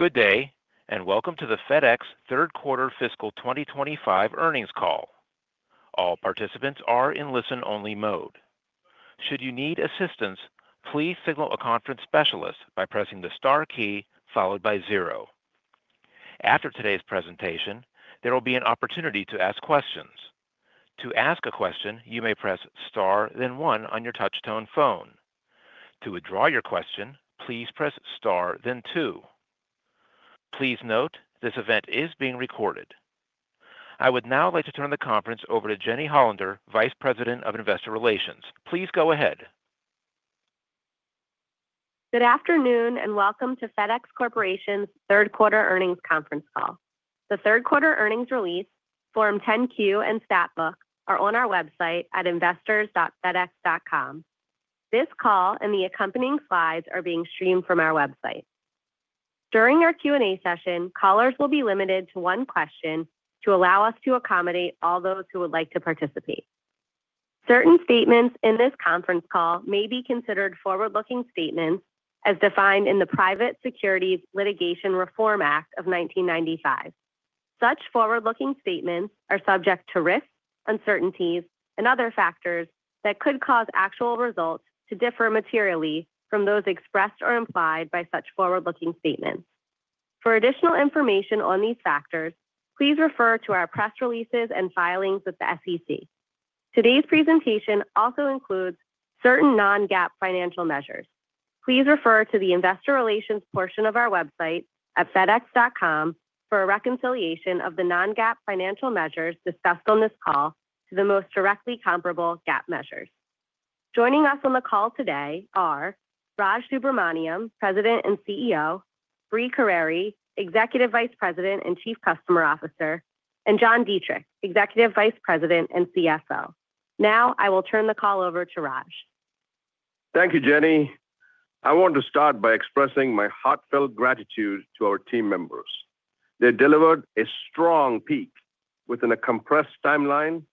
Good day, and welcome to the FedEx third quarter fiscal 2025 earnings call. All participants are in listen-only mode. Should you need assistance, please signal a conference specialist by pressing the star key followed by zero. After today's presentation, there will be an opportunity to ask questions. To ask a question, you may press star, then one on your touch-tone phone. To withdraw your question, please press star, then two. Please note this event is being recorded. I would now like to turn the conference over to Jenny Hollander, Vice President of Investor Relations. Please go ahead. Good afternoon, and welcome to FedEx Corporation's third quarter earnings conference call. The third quarter earnings release, Form 10-Q, and Statbook are on our website at investors.fedex.com. This call and the accompanying slides are being streamed from our website. During our Q&A session, callers will be limited to one question to allow us to accommodate all those who would like to participate. Certain statements in this conference call may be considered forward-looking statements as defined in the Private Securities Litigation Reform Act of 1995. Such forward-looking statements are subject to risks, uncertainties, and other factors that could cause actual results to differ materially from those expressed or implied by such forward-looking statements. For additional information on these factors, please refer to our press releases and filings with the SEC. Today's presentation also includes certain non-GAAP financial measures. Please refer to the Investor Relations portion of our website at fedex.com for a reconciliation of the non-GAAP financial measures discussed on this call to the most directly comparable GAAP measures. Joining us on the call today are Raj Subramaniam, President and CEO, Brie Carere, Executive Vice President and Chief Customer Officer, and John Dietrich, Executive Vice President and CFO. Now, I will turn the call over to Raj. Thank you, Jenny. I want to start by expressing my heartfelt gratitude to our team members. They delivered a strong peak within a compressed timeline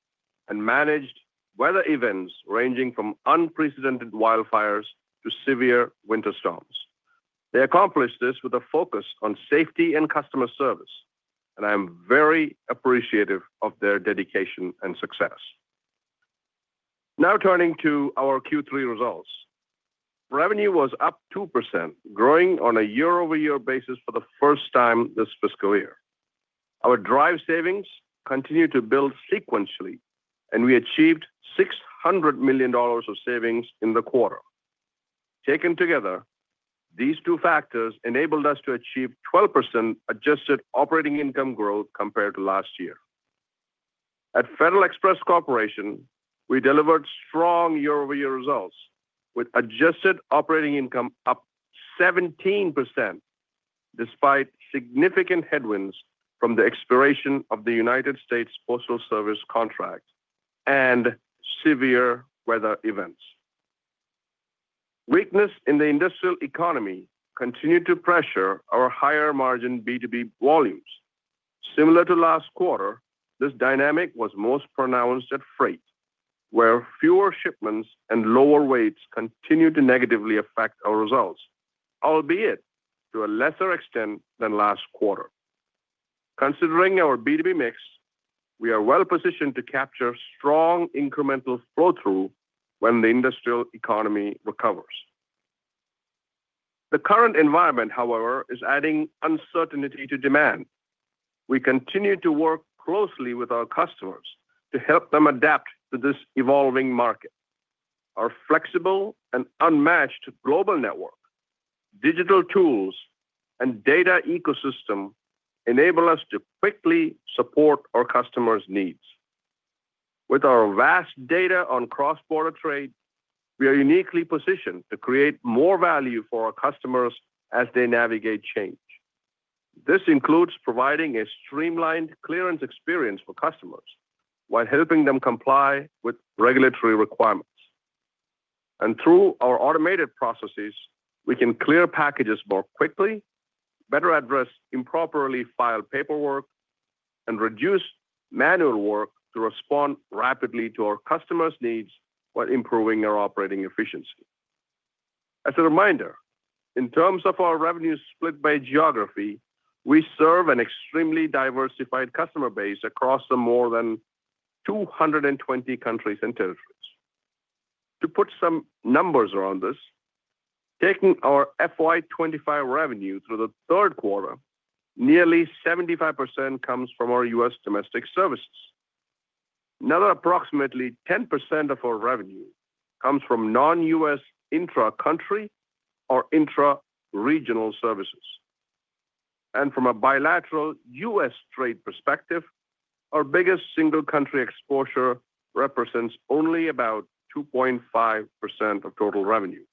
and managed weather events ranging from unprecedented wildfires to severe winter storms. They accomplished this with a focus on safety and customer service, and I am very appreciative of their dedication and success. Now, turning to our Q3 results, revenue was up 2%, growing on a year-over-year basis for the first time this fiscal year. Our DRIVE savings continued to build sequentially, and we achieved $600 million of savings in the quarter. Taken together, these two factors enabled us to achieve 12% adjusted operating income growth compared to last year. At FedEx Corporation, we delivered strong year-over-year results with adjusted operating income up 17% despite significant headwinds from the expiration of the United States Postal Service contract and severe weather events. Weakness in the industrial economy continued to pressure our higher-margin B2B volumes. Similar to last quarter, this dynamic was most pronounced at Freight, where fewer shipments and lower weights continue to negatively affect our results, albeit to a lesser extent than last quarter. Considering our B2B mix, we are well-positioned to capture strong incremental flow-through when the industrial economy recovers. The current environment, however, is adding uncertainty to demand. We continue to work closely with our customers to help them adapt to this evolving market. Our flexible and unmatched global network, digital tools, and data ecosystem enable us to quickly support our customers' needs. With our vast data on cross-border trade, we are uniquely positioned to create more value for our customers as they navigate change. This includes providing a streamlined clearance experience for customers while helping them comply with regulatory requirements. Through our automated processes, we can clear packages more quickly, better address improperly filed paperwork, and reduce manual work to respond rapidly to our customers' needs while improving our operating efficiency. As a reminder, in terms of our revenue split by geography, we serve an extremely diversified customer base across more than 220 countries and territories. To put some numbers around this, taking our FY 2025 revenue through the third quarter, nearly 75% comes from our U.S. domestic services. Another approximately 10% of our revenue comes from non-U.S. intra-country or intra-regional services. From a bilateral U.S. trade perspective, our biggest single-country exposure represents only about 2.5% of total revenue.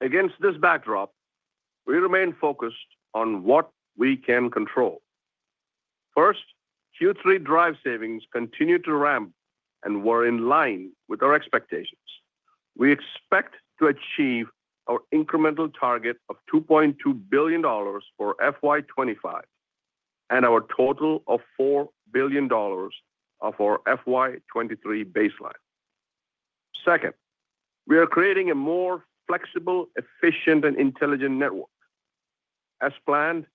Against this backdrop, we remain focused on what we can control. First, Q3 DRIVE savings continue to ramp and were in line with our expectations. We expect to achieve our incremental target of $2.2 billion for FY 2025 and our total of $4 billion of our FY 2023 baseline. Second, we are creating a more flexible, efficient, and intelligent network. As planned,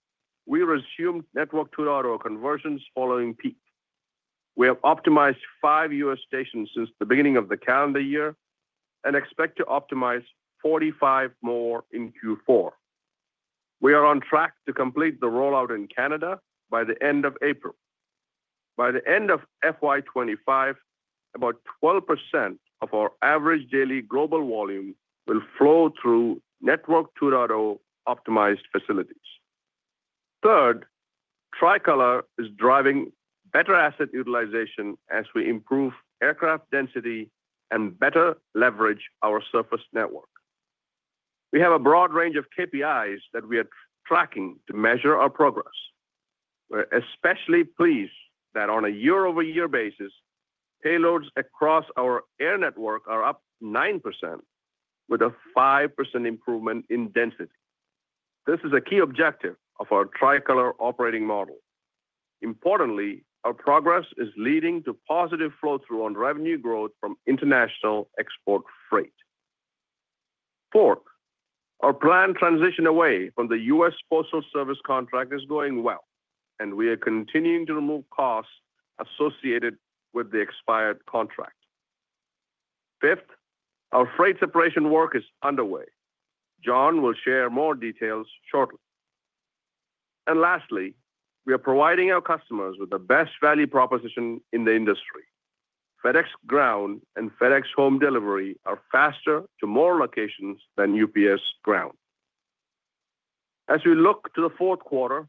we resumed network-to-auto conversions following peak. We have optimized five U.S. stations since the beginning of the calendar year and expect to optimize 45 more in Q4. We are on track to complete the rollout in Canada by the end of April. By the end of FY 2025, about 12% of our average daily global volume will flow through network-to-auto-optimized facilities. Third, Tricolor is driving better asset utilization as we improve aircraft density and better leverage our surface network. We have a broad range of KPIs that we are tracking to measure our progress. We're especially pleased that on a year-over-year basis, payloads across our air network are up 9%, with a 5% improvement in density. This is a key objective of our Tricolor operating model. Importantly, our progress is leading to positive flow-through on revenue growth from international export freight. Fourth, our planned transition away from the U.S. Postal Service contract is going well, and we are continuing to remove costs associated with the expired contract. Fifth, our freight separation work is underway. John will share more details shortly. Lastly, we are providing our customers with the best value proposition in the industry. FedEx Ground and FedEx Home Delivery are faster to more locations than UPS Ground. As we look to the fourth quarter,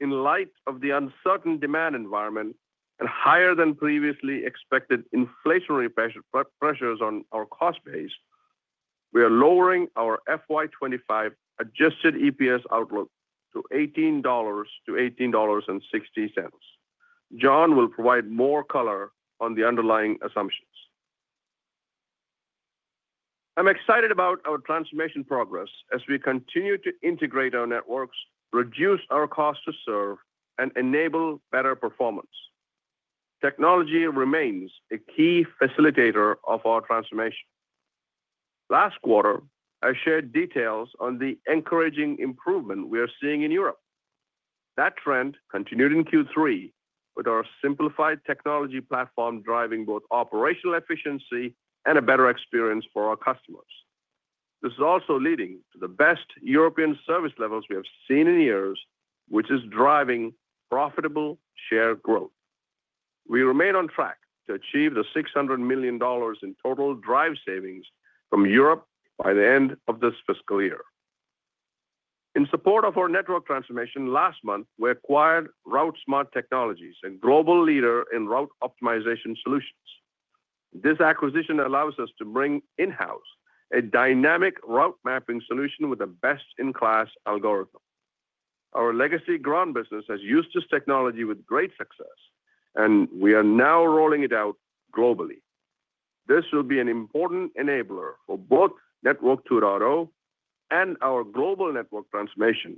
in light of the uncertain demand environment and higher-than-previously-expected inflationary pressures on our cost base, we are lowering our FY 2025 adjusted EPS outlook to $18-$18.60. John will provide more color on the underlying assumptions. I'm excited about our transformation progress as we continue to integrate our networks, reduce our cost to serve, and enable better performance. Technology remains a key facilitator of our transformation. Last quarter, I shared details on the encouraging improvement we are seeing in Europe. That trend continued in Q3 with our simplified technology platform driving both operational efficiency and a better experience for our customers. This is also leading to the best European service levels we have seen in years, which is driving profitable share growth. We remain on track to achieve the $600 million in total DRIVE savings from Europe by the end of this fiscal year. In support of our network transformation, last month, we acquired RouteSmart Technologies, a global leader in route optimization solutions. This acquisition allows us to bring in-house a dynamic route mapping solution with a best-in-class algorithm. Our legacy Ground business has used this technology with great success, and we are now rolling it out globally. This will be an important enabler for both Network 2.0 and our global network transformation,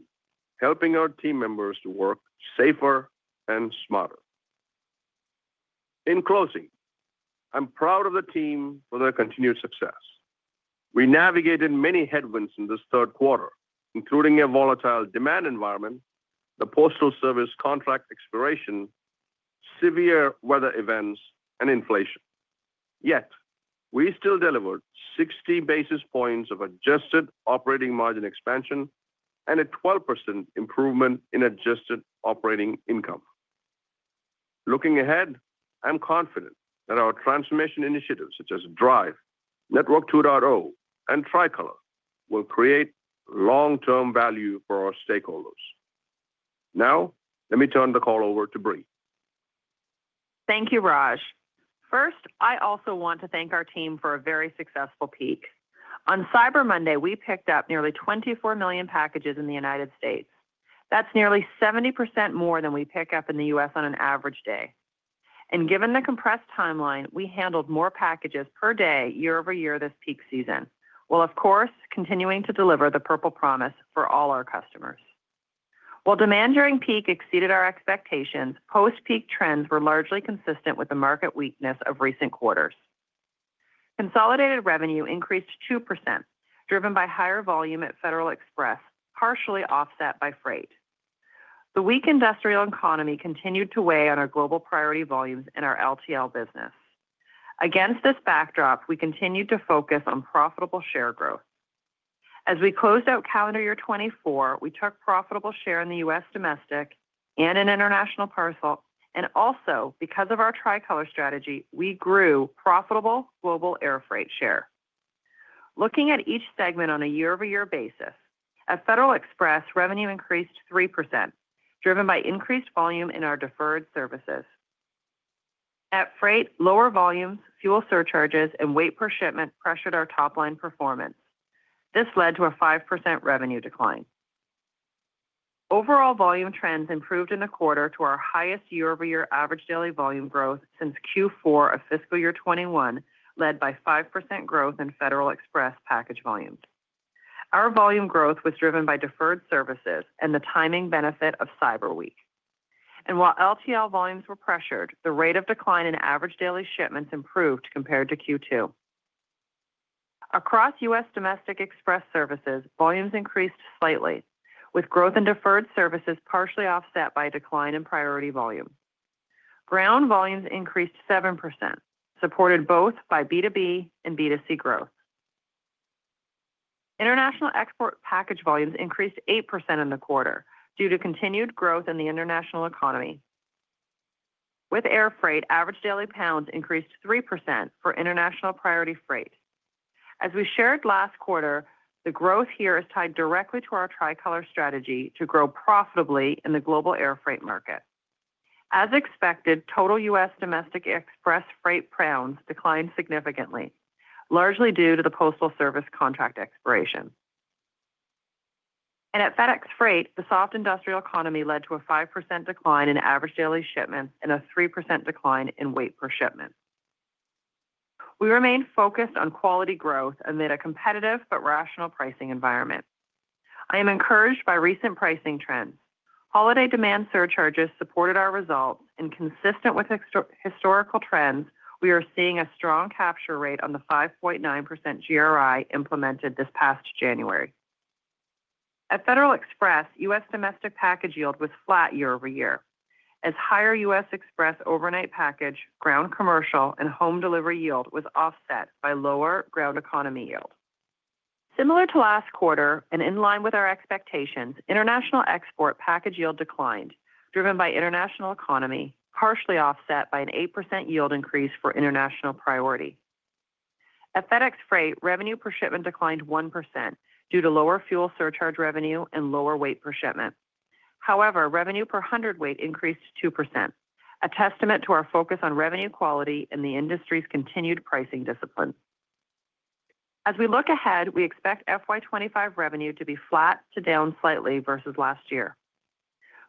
helping our team members to work safer and smarter. In closing, I'm proud of the team for their continued success. We navigated many headwinds in this third quarter, including a volatile demand environment, the Postal Service contract expiration, severe weather events, and inflation. Yet, we still delivered 60 basis points of adjusted operating margin expansion and a 12% improvement in adjusted operating income. Looking ahead, I'm confident that our transformation initiatives such as DRIVE, Network 2.0, and Tricolor will create long-term value for our stakeholders. Now, let me turn the call over to Brie. Thank you, Raj. First, I also want to thank our team for a very successful peak. On Cyber Monday, we picked up nearly 24 million packages in the U.S. That's nearly 70% more than we pick up in the U.S. on an average day. Given the compressed timeline, we handled more packages per day year-over-year this peak season, while, of course, continuing to deliver the Purple Promise for all our customers. While demand during peak exceeded our expectations, post-peak trends were largely consistent with the market weakness of recent quarters. Consolidated revenue increased 2%, driven by higher volume at Federal Express, partially offset by Freight. The weak industrial economy continued to weigh on our global priority volumes in our LTL business. Against this backdrop, we continued to focus on profitable share growth. As we closed out calendar year 2024, we took profitable share in the U.S. Domestic and in international parcel, and also, because of our Tricolor strategy, we grew profitable global air freight share. Looking at each segment on a year-over-year basis, at Federal Express, revenue increased 3%, driven by increased volume in our deferred services. At Freight, lower volumes, fuel surcharges, and weight per shipment pressured our top-line performance. This led to a 5% revenue decline. Overall volume trends improved in the quarter to our highest year-over-year average daily volume growth since Q4 of fiscal year 2021, led by 5% growth in Federal Express package volumes. Our volume growth was driven by deferred services and the timing benefit of Cyber Week. While LTL volumes were pressured, the rate of decline in average daily shipments improved compared to Q2. Across U.S. domestic express services, volumes increased slightly, with growth in deferred services partially offset by a decline in priority volume. Ground volumes increased 7%, supported both by B2B and B2C growth. International export package volumes increased 8% in the quarter due to continued growth in the international economy. With air freight, average daily pounds increased 3% for international priority freight. As we shared last quarter, the growth here is tied directly to our Tricolor strategy to grow profitably in the global air freight market. As expected, total U.S. domestic express freight pounds declined significantly, largely due to the Postal Service contract expiration. At FedEx Freight, the soft industrial economy led to a 5% decline in average daily shipments and a 3% decline in weight per shipment. We remain focused on quality growth amid a competitive but rational pricing environment. I am encouraged by recent pricing trends. Holiday demand surcharges supported our results, and consistent with historical trends, we are seeing a strong capture rate on the 5.9% GRI implemented this past January. At Federal Express, U.S. domestic package yield was flat year-over-year, as higher U.S. Express overnight package, Ground commercial, and home delivery yield was offset by lower Ground economy yield. Similar to last quarter and in line with our expectations, international export package yield declined, driven by international economy, partially offset by an 8% yield increase for international priority. At FedEx Freight, revenue per shipment declined 1% due to lower fuel surcharge revenue and lower weight per shipment. However, revenue per hundredweight increased 2%, a testament to our focus on revenue quality and the industry's continued pricing discipline. As we look ahead, we expect FY 2025 revenue to be flat to down slightly versus last year.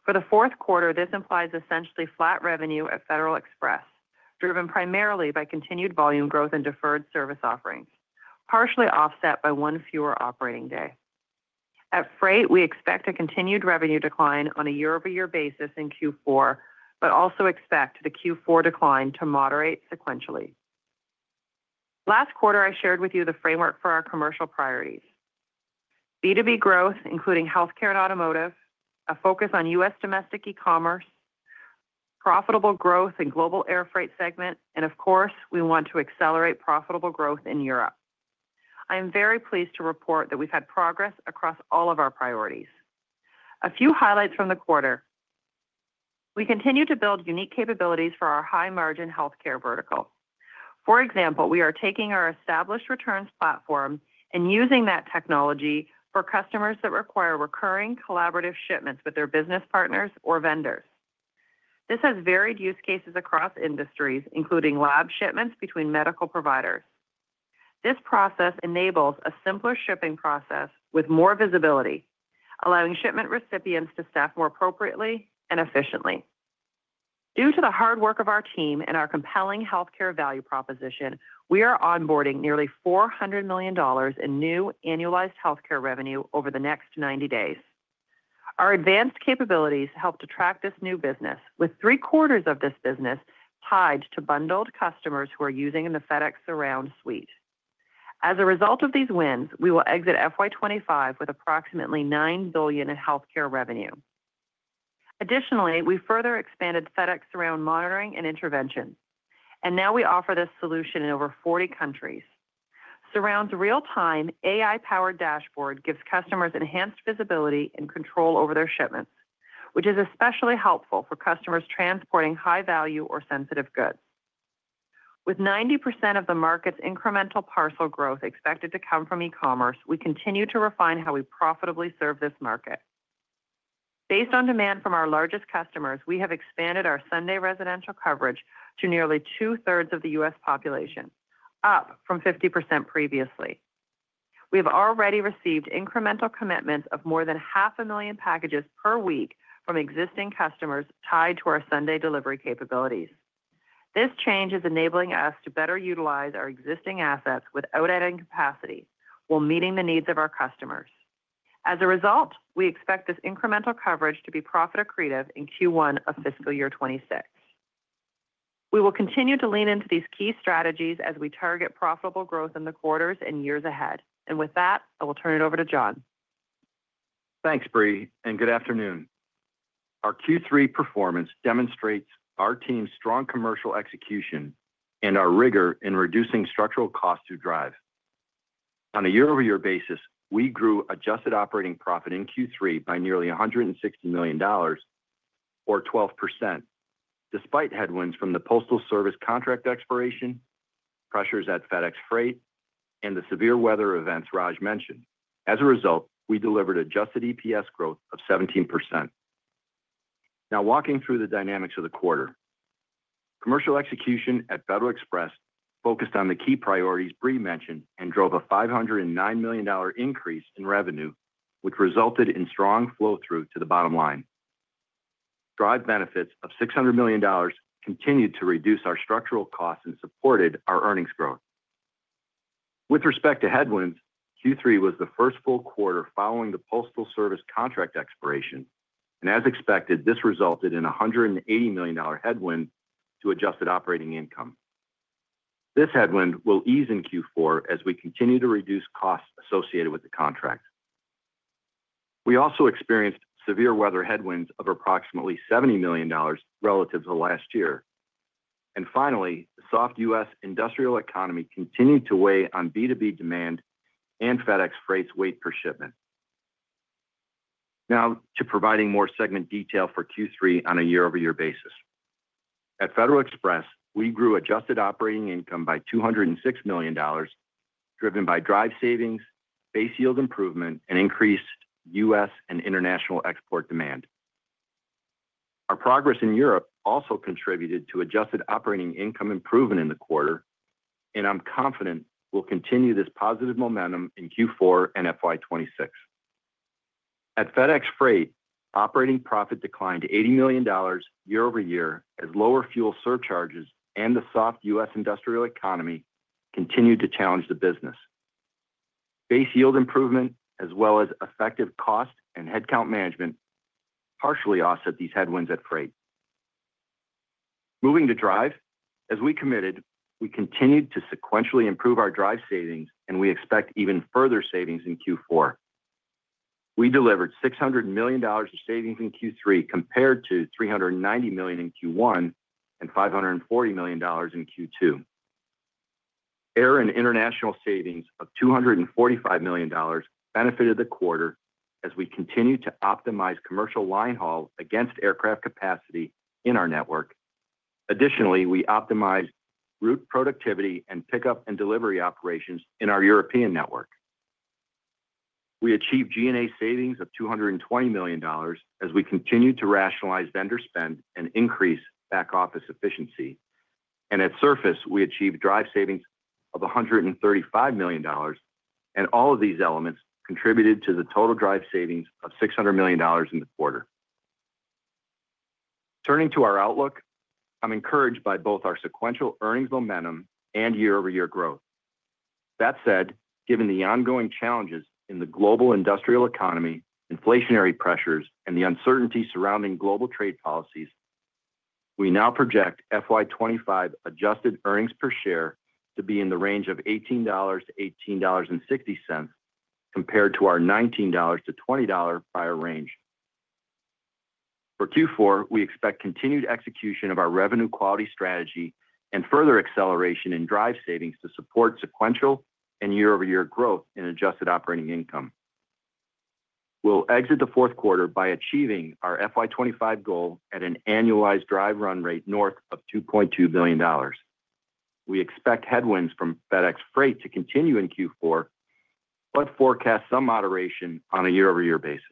For the fourth quarter, this implies essentially flat revenue at Federal Express, driven primarily by continued volume growth and deferred service offerings, partially offset by one fewer operating day. At Freight, we expect a continued revenue decline on a year-over-year basis in Q4, but also expect the Q4 decline to moderate sequentially. Last quarter, I shared with you the framework for our commercial priorities: B2B growth, including healthcare and automotive, a focus on U.S. domestic e-commerce, profitable growth in the global air freight segment, and of course, we want to accelerate profitable growth in Europe. I am very pleased to report that we've had progress across all of our priorities. A few highlights from the quarter: we continue to build unique capabilities for our high-margin healthcare vertical. For example, we are taking our established returns platform and using that technology for customers that require recurring collaborative shipments with their business partners or vendors. This has varied use cases across industries, including lab shipments between medical providers. This process enables a simpler shipping process with more visibility, allowing shipment recipients to staff more appropriately and efficiently. Due to the hard work of our team and our compelling healthcare value proposition, we are onboarding nearly $400 million in new annualized healthcare revenue over the next 90 days. Our advanced capabilities help to track this new business, with three-quarters of this business tied to bundled customers who are using the FedEx Surround suite. As a result of these wins, we will exit FY 2025 with approximately $9 billion in healthcare revenue. Additionally, we further expanded FedEx Surround monitoring and intervention, and now we offer this solution in over 40 countries. Surround's real-time AI-powered dashboard gives customers enhanced visibility and control over their shipments, which is especially helpful for customers transporting high-value or sensitive goods. With 90% of the market's incremental parcel growth expected to come from e-commerce, we continue to refine how we profitably serve this market. Based on demand from our largest customers, we have expanded our Sunday residential coverage to nearly two-thirds of the U.S. population, up from 50% previously. We have already received incremental commitments of more than 0.5 million packages per week from existing customers tied to our Sunday delivery capabilities. This change is enabling us to better utilize our existing assets without adding capacity while meeting the needs of our customers. As a result, we expect this incremental coverage to be profit-accretive in Q1 of fiscal year 2026. We will continue to lean into these key strategies as we target profitable growth in the quarters and years ahead. I will turn it over to John. Thanks, Brie, and good afternoon. Our Q3 performance demonstrates our team's strong commercial execution and our rigor in reducing structural costs through DRIVE. On a year-over-year basis, we grew adjusted operating profit in Q3 by nearly $160 million, or 12%, despite headwinds from the Postal Service contract expiration, pressures at FedEx Freight, and the severe weather events Raj mentioned. As a result, we delivered adjusted EPS growth of 17%. Now, walking through the dynamics of the quarter, commercial execution at Federal Express focused on the key priorities Brie mentioned and drove a $509 million increase in revenue, which resulted in strong flow-through to the bottom line. DRIVE benefits of $600 million continued to reduce our structural costs and supported our earnings growth. With respect to headwinds, Q3 was the first full quarter following the Postal Service contract expiration, and as expected, this resulted in a $180 million headwind to adjusted operating income. This headwind will ease in Q4 as we continue to reduce costs associated with the contract. We also experienced severe weather headwinds of approximately $70 million relative to last year. Finally, the soft U.S. industrial economy continued to weigh on B2B demand and FedEx Freight's weight per shipment. Now to providing more segment detail for Q3 on a year-over-year basis. At Federal Express, we grew adjusted operating income by $206 million, driven by DRIVE savings, base yield improvement, and increased U.S. and international export demand. Our progress in Europe also contributed to adjusted operating income improvement in the quarter, and I'm confident we'll continue this positive momentum in Q4 and FY 2026. At FedEx Freight, operating profit declined $80 million year-over-year as lower fuel surcharges and the soft U.S. industrial economy continued to challenge the business. Base yield improvement, as well as effective cost and headcount management, partially offset these headwinds at freight. Moving to DRIVE, as we committed, we continued to sequentially improve our DRIVE savings, and we expect even further savings in Q4. We delivered $600 million in savings in Q3 compared to $390 million in Q1 and $540 million in Q2. Air and international savings of $245 million benefited the quarter as we continued to optimize commercial line haul against aircraft capacity in our network. Additionally, we optimized route productivity and pickup and delivery operations in our European network. We achieved G&A savings of $220 million as we continued to rationalize vendor spend and increase back-office efficiency. At Surface, we achieved DRIVE savings of $135 million, and all of these elements contributed to the total DRIVE savings of $600 million in the quarter. Turning to our outlook, I'm encouraged by both our sequential earnings momentum and year-over-year growth. That said, given the ongoing challenges in the global industrial economy, inflationary pressures, and the uncertainty surrounding global trade policies, we now project FY 2025 adjusted earnings per share to be in the range of $18-$18.60 compared to our $19-$20 prior range. For Q4, we expect continued execution of our revenue quality strategy and further acceleration in DRIVE savings to support sequential and year-over-year growth in adjusted operating income. We'll exit the fourth quarter by achieving our FY 2025 goal at an annualized DRIVE run rate north of $2.2 billion. We expect headwinds from FedEx Freight to continue in Q4, but forecast some moderation on a year-over-year basis.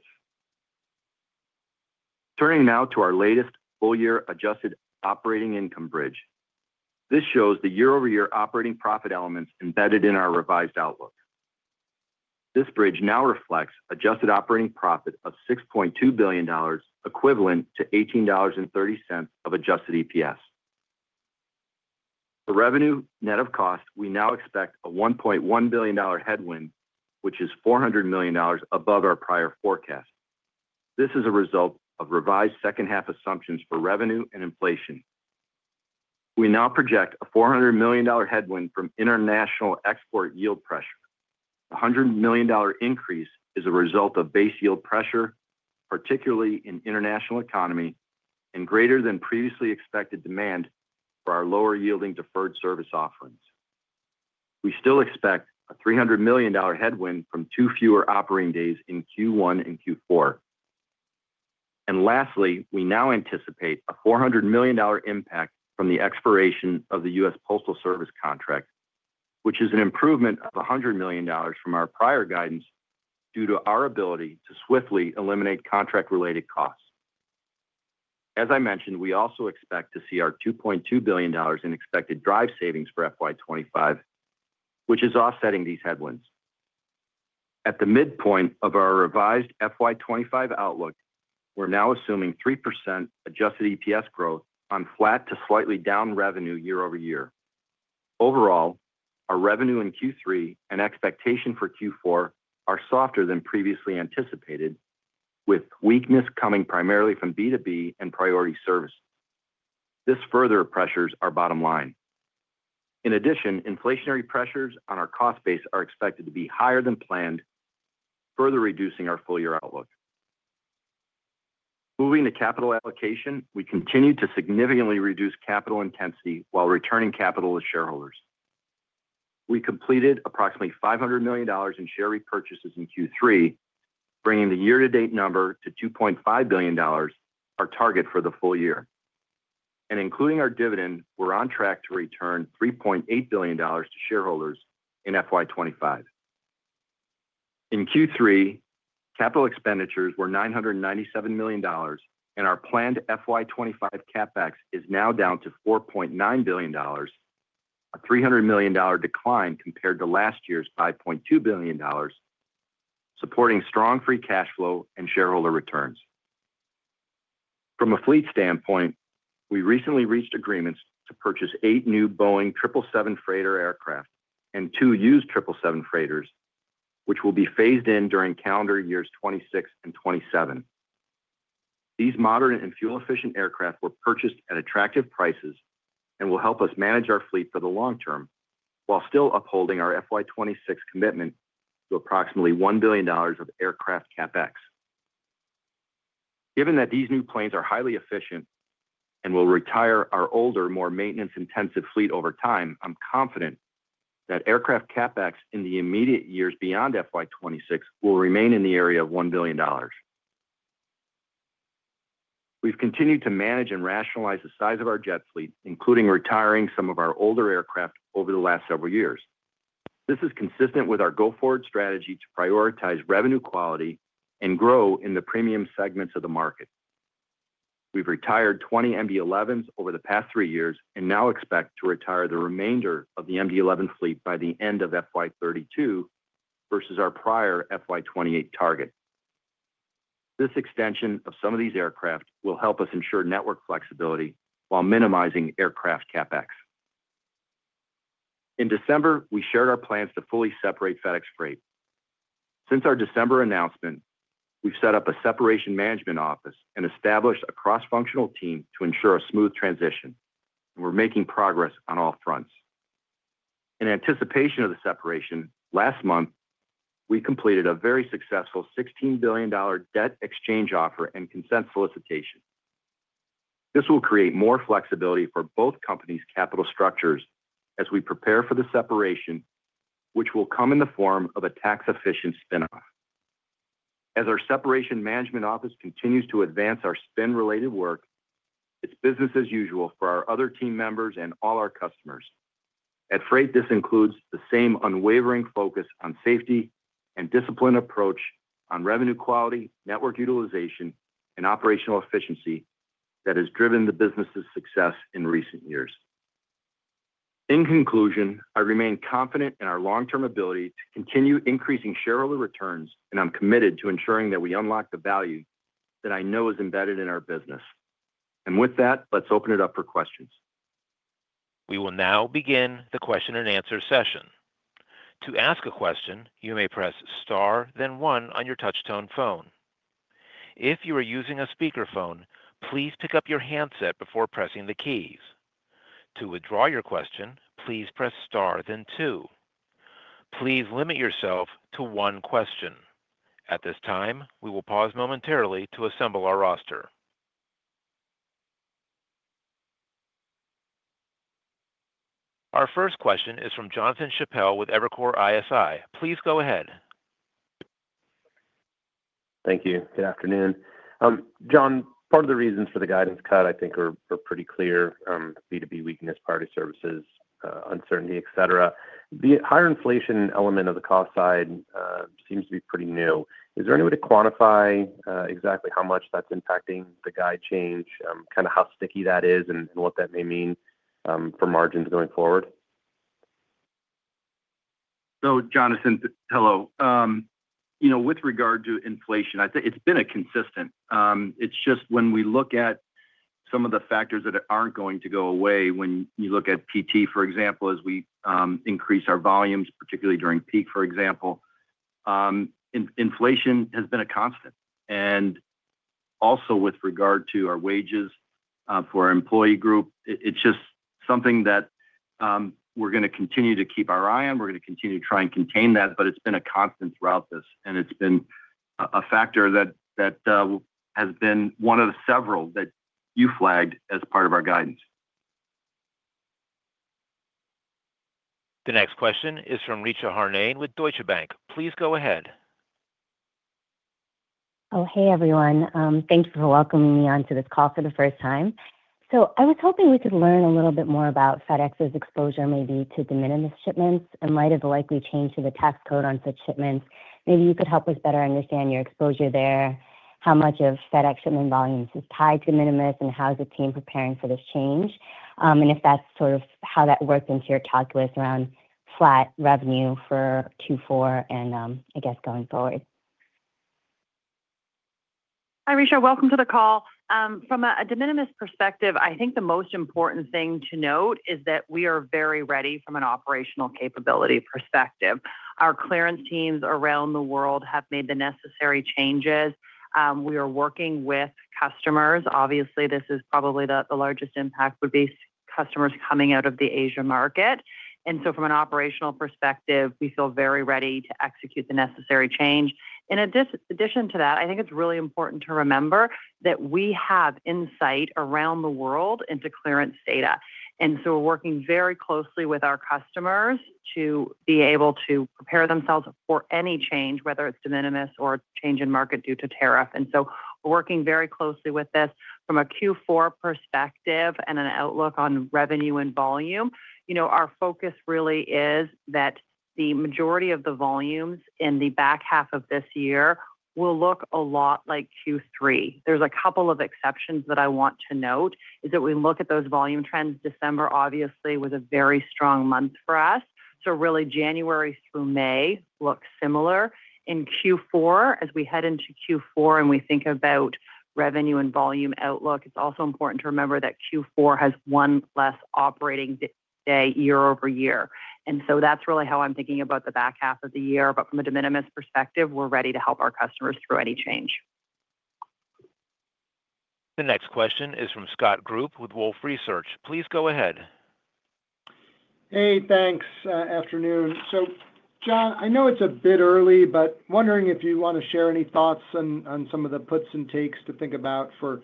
Turning now to our latest full-year adjusted operating income bridge. This shows the year-over-year operating profit elements embedded in our revised outlook. This bridge now reflects adjusted operating profit of $6.2 billion, equivalent to $18.30 of adjusted EPS. For revenue net of cost, we now expect a $1.1 billion headwind, which is $400 million above our prior forecast. This is a result of revised second-half assumptions for revenue and inflation. We now project a $400 million headwind from international export yield pressure. The $100 million increase is a result of base yield pressure, particularly in the international economy, and greater than previously expected demand for our lower-yielding deferred service offerings. We still expect a $300 million headwind from two fewer operating days in Q1 and Q4. Lastly, we now anticipate a $400 million impact from the expiration of the U.S. Postal Service contract, which is an improvement of $100 million from our prior guidance due to our ability to swiftly eliminate contract-related costs. As I mentioned, we also expect to see our $2.2 billion in expected DRIVE savings for FY 2025, which is offsetting these headwinds. At the midpoint of our revised FY 2025 outlook, we're now assuming 3% adjusted EPS growth on flat to slightly down revenue year-over-year. Overall, our revenue in Q3 and expectation for Q4 are softer than previously anticipated, with weakness coming primarily from B2B and priority service. This further pressures our bottom line. In addition, inflationary pressures on our cost base are expected to be higher than planned, further reducing our full-year outlook. Moving to capital allocation, we continue to significantly reduce capital intensity while returning capital to shareholders. We completed approximately $500 million in share repurchases in Q3, bringing the year-to-date number to $2.5 billion, our target for the full year. Including our dividend, we're on track to return $3.8 billion to shareholders in FY 2025. In Q3, capital expenditures were $997 million, and our planned FY 2025 CapEx is now down to $4.9 billion, a $300 million decline compared to last year's $5.2 billion, supporting strong free cash flow and shareholder returns. From a fleet standpoint, we recently reached agreements to purchase eight new Boeing 777 freighter aircraft and two used 777 freighters, which will be phased in during calendar years 2026 and 2027. These modern and fuel-efficient aircraft were purchased at attractive prices and will help us manage our fleet for the long term while still upholding our FY 2026 commitment to approximately $1 billion of aircraft CapEx. Given that these new planes are highly efficient and will retire our older, more maintenance-intensive fleet over time, I'm confident that aircraft CapEx in the immediate years beyond FY 2026 will remain in the area of $1 billion. We've continued to manage and rationalize the size of our jet fleet, including retiring some of our older aircraft over the last several years. This is consistent with our go-forward strategy to prioritize revenue quality and grow in the premium segments of the market. We've retired 20 MD-11s over the past three years and now expect to retire the remainder of the MD-11 fleet by the end of FY 2032 versus our prior FY 2028 target. This extension of some of these aircraft will help us ensure network flexibility while minimizing aircraft CapEx. In December, we shared our plans to fully separate FedEx Freight. Since our December announcement, we've set up a separation management office and established a cross-functional team to ensure a smooth transition, and we're making progress on all fronts. In anticipation of the separation, last month, we completed a very successful $16 billion debt exchange offer and consent solicitation. This will create more flexibility for both companies' capital structures as we prepare for the separation, which will come in the form of a tax-efficient spinoff. As our separation management office continues to advance our spin-related work, it's business as usual for our other team members and all our customers. At Freight, this includes the same unwavering focus on safety and discipline approach on revenue quality, network utilization, and operational efficiency that has driven the business's success in recent years. In conclusion, I remain confident in our long-term ability to continue increasing shareholder returns, and I'm committed to ensuring that we unlock the value that I know is embedded in our business. With that, let's open it up for questions. We will now begin the question-and-answer session. To ask a question, you may press Star, then One on your touch-tone phone. If you are using a speakerphone, please pick up your handset before pressing the keys. To withdraw your question, please press Star, then Two. Please limit yourself to one question. At this time, we will pause momentarily to assemble our roster. Our first question is from Jonathan Chappell with Evercore ISI. Please go ahead. Thank you. Good afternoon. John, part of the reasons for the guidance cut, I think, are pretty clear: B2B weakness, party services, uncertainty, etc. The higher inflation element of the cost side seems to be pretty new. Is there any way to quantify exactly how much that's impacting the guide change, kind of how sticky that is and what that may mean for margins going forward? Jonathan, hello. With regard to inflation, I'd say it's been consistent. It's just when we look at some of the factors that aren't going to go away, when you look at PT, for example, as we increase our volumes, particularly during peak, for example, inflation has been a constant. Also, with regard to our wages for our employee group, it's just something that we're going to continue to keep our eye on. We're going to continue to try and contain that, but it's been a constant throughout this, and it's been a factor that has been one of several that you flagged as part of our guidance. The next question is from Richa Harnain with Deutsche Bank. Please go ahead. Oh, hey, everyone. Thank you for welcoming me onto this call for the first time. I was hoping we could learn a little bit more about FedEx's exposure, maybe to de minimis shipments in light of the likely change to the tax code on such shipments. Maybe you could help us better understand your exposure there, how much of FedEx shipment volumes is tied to de minimis, and how is the team preparing for this change, and if that's sort of how that worked into your calculus around flat revenue for Q4 and, I guess, going forward. Hi, Richa. Welcome to the call. From a de minimis perspective, I think the most important thing to note is that we are very ready from an operational capability perspective. Our clearance teams around the world have made the necessary changes. We are working with customers. Obviously, this is probably the largest impact would be customers coming out of the Asia market. From an operational perspective, we feel very ready to execute the necessary change. In addition to that, I think it's really important to remember that we have insight around the world into clearance data. We are working very closely with our customers to be able to prepare themselves for any change, whether it's de minimis or a change in market due to tariff. We are working very closely with this. From a Q4 perspective and an outlook on revenue and volume, our focus really is that the majority of the volumes in the back half of this year will look a lot like Q3. There are a couple of exceptions that I want to note as we look at those volume trends. December, obviously, was a very strong month for us. January through May look similar. In Q4, as we head into Q4 and we think about revenue and volume outlook, it is also important to remember that Q4 has one less operating day year-over-year. That is really how I am thinking about the back half of the year. From a de minimis perspective, we are ready to help our customers through any change. The next question is from Scott Group with Wolfe Research. Please go ahead. Hey, thanks. Afternoon. John, I know it's a bit early, but wondering if you want to share any thoughts on some of the puts and takes to think about for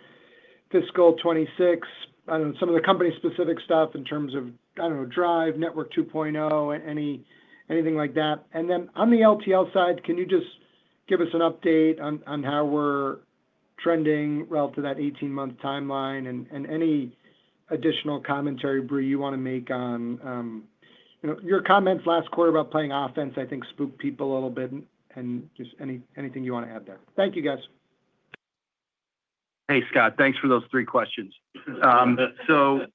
fiscal 2026, some of the company-specific stuff in terms of, I don't know, DRIVE, Network 2.0, anything like that. On the LTL side, can you just give us an update on how we're trending relative to that 18-month timeline and any additional commentary, Brie, you want to make on your comments last quarter about playing offense, I think, spooked people a little bit, and just anything you want to add there. Thank you, guys. Hey, Scott. Thanks for those three questions. Look, for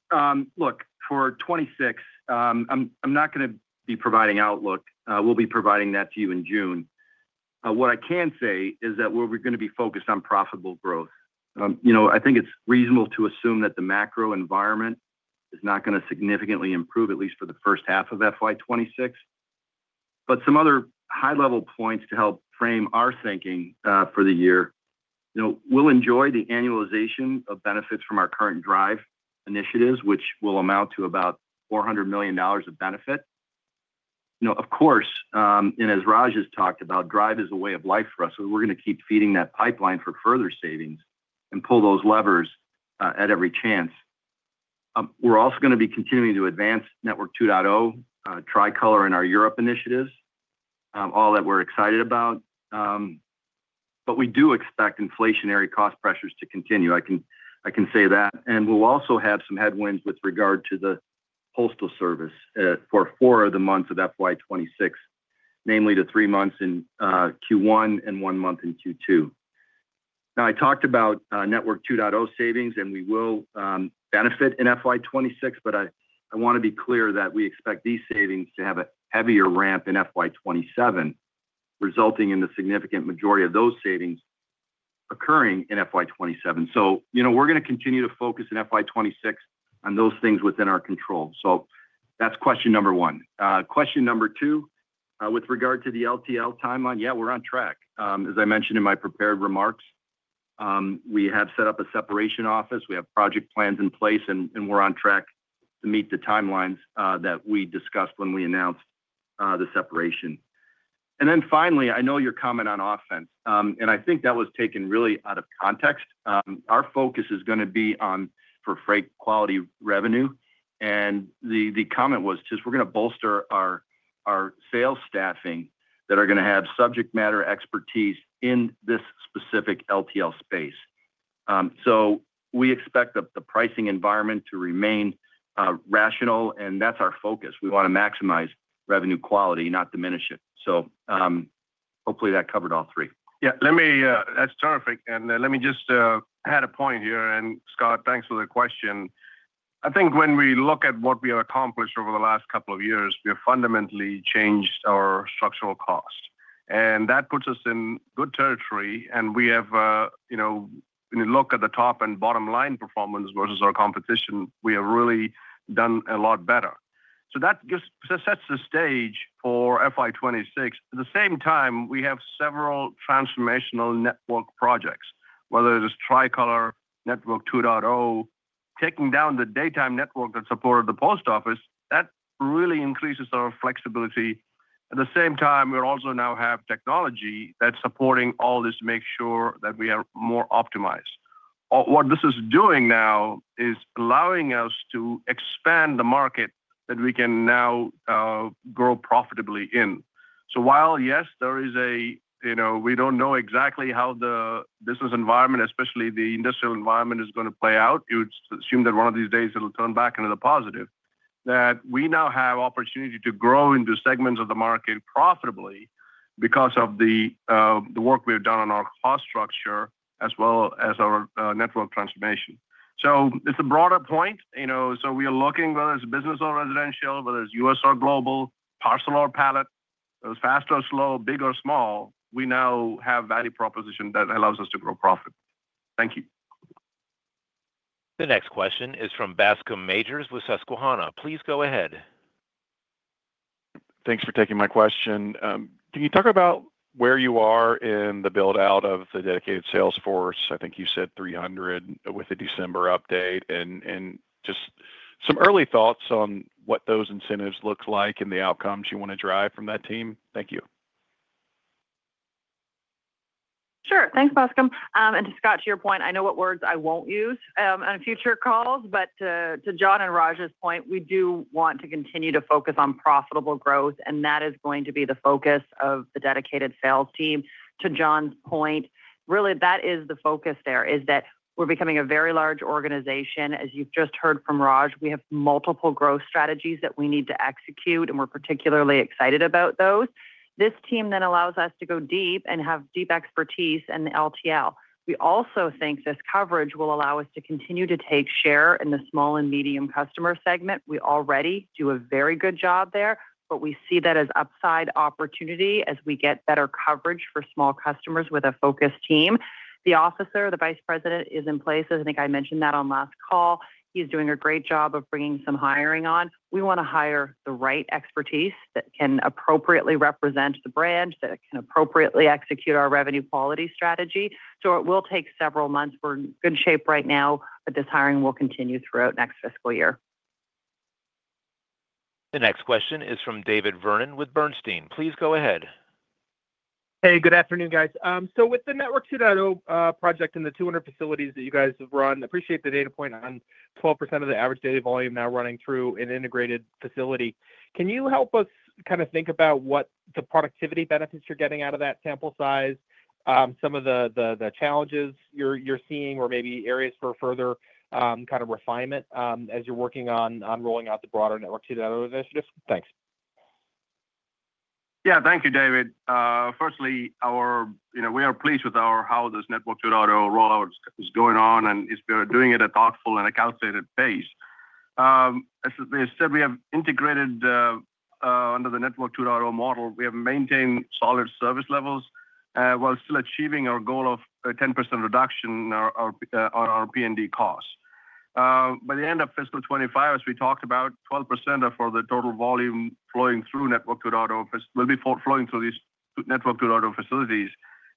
2026, I'm not going to be providing outlook. We'll be providing that to you in June. What I can say is that we're going to be focused on profitable growth. I think it's reasonable to assume that the macro environment is not going to significantly improve, at least for the first half of FY 2026. Some other high-level points to help frame our thinking for the year. We'll enjoy the annualization of benefits from our current DRIVE initiatives, which will amount to about $400 million of benefit. Of course, as Raj has talked about, DRIVE is a way of life for us. We're going to keep feeding that pipeline for further savings and pull those levers at every chance. We're also going to be continuing to advance Network 2.0, Tricolor in our Europe initiatives, all that we're excited about. We do expect inflationary cost pressures to continue. I can say that. We'll also have some headwinds with regard to the Postal Service for four of the months of FY 2026, namely the three months in Q1 and one month in Q2. I talked about Network 2.0 savings, and we will benefit in FY 2026, but I want to be clear that we expect these savings to have a heavier ramp in FY 2027, resulting in the significant majority of those savings occurring in FY 2027. We're going to continue to focus in FY 2026 on those things within our control. That's question number one. Question number two, with regard to the LTL timeline, yeah, we're on track. As I mentioned in my prepared remarks, we have set up a separation office. We have project plans in place, and we're on track to meet the timelines that we discussed when we announced the separation. Finally, I know your comment on offense, and I think that was taken really out of context. Our focus is going to be on freight quality revenue. The comment was just we're going to bolster our sales staffing that are going to have subject matter expertise in this specific LTL space. We expect the pricing environment to remain rational, and that's our focus. We want to maximize revenue quality, not diminish it. Hopefully that covered all three. Yeah. That's terrific. Let me just add a point here. Scott, thanks for the question. I think when we look at what we have accomplished over the last couple of years, we have fundamentally changed our structural cost. That puts us in good territory. When you look at the top and bottom line performance versus our competition, we have really done a lot better. That just sets the stage for FY 2026. At the same time, we have several transformational network projects, whether it is Tricolor, Network 2.0, taking down the daytime network that supported the post office. That really increases our flexibility. At the same time, we also now have technology that's supporting all this to make sure that we are more optimized. What this is doing now is allowing us to expand the market that we can now grow profitably in. While, yes, there is a we don't know exactly how the business environment, especially the industrial environment, is going to play out. You'd assume that one of these days it'll turn back into the positive, that we now have the opportunity to grow into segments of the market profitably because of the work we have done on our cost structure as well as our network transformation. It's a broader point. We are looking, whether it's business or residential, whether it's US or global, parcel or pallet, fast or slow, big or small, we now have value proposition that allows us to grow profit. Thank you. The next question is from Bascome Majors with Susquehanna. Please go ahead. Thanks for taking my question. Can you talk about where you are in the build-out of the dedicated sales force? I think you said 300 with the December update and just some early thoughts on what those incentives look like and the outcomes you want to drive from that team? Thank you. Sure. Thanks, Bascome. To Scott, to your point, I know what words I won't use on future calls, but to John and Raj's point, we do want to continue to focus on profitable growth, and that is going to be the focus of the dedicated sales team. To John's point, really, that is the focus there, is that we're becoming a very large organization. As you've just heard from Raj, we have multiple growth strategies that we need to execute, and we're particularly excited about those. This team then allows us to go deep and have deep expertise in the LTL. We also think this coverage will allow us to continue to take share in the small and medium customer segment. We already do a very good job there, but we see that as upside opportunity as we get better coverage for small customers with a focused team. The officer, the Vice President, is in place. I think I mentioned that on last call. He's doing a great job of bringing some hiring on. We want to hire the right expertise that can appropriately represent the branch, that can appropriately execute our revenue quality strategy. It will take several months. We're in good shape right now, but this hiring will continue throughout next fiscal year. The next question is from David Vernon with Bernstein. Please go ahead. Hey, good afternoon, guys. With the Network 2.0 project and the 200 facilities that you guys have run, I appreciate the data point on 12% of the average daily volume now running through an integrated facility. Can you help us kind of think about what the productivity benefits you're getting out of that sample size, some of the challenges you're seeing, or maybe areas for further kind of refinement as you're working on rolling out the broader Network 2.0 initiative? Thanks. Yeah. Thank you, David. Firstly, we are pleased with how this Network 2.0 rollout is going on, and we're doing it at a thoughtful and a calculated pace. As I said, we have integrated under the Network 2.0 model. We have maintained solid service levels while still achieving our goal of 10% reduction on our P&D costs. By the end of fiscal 2025, as we talked about, 12% of the total volume flowing through Network 2.0 will be flowing through these Network 2.0 facilities.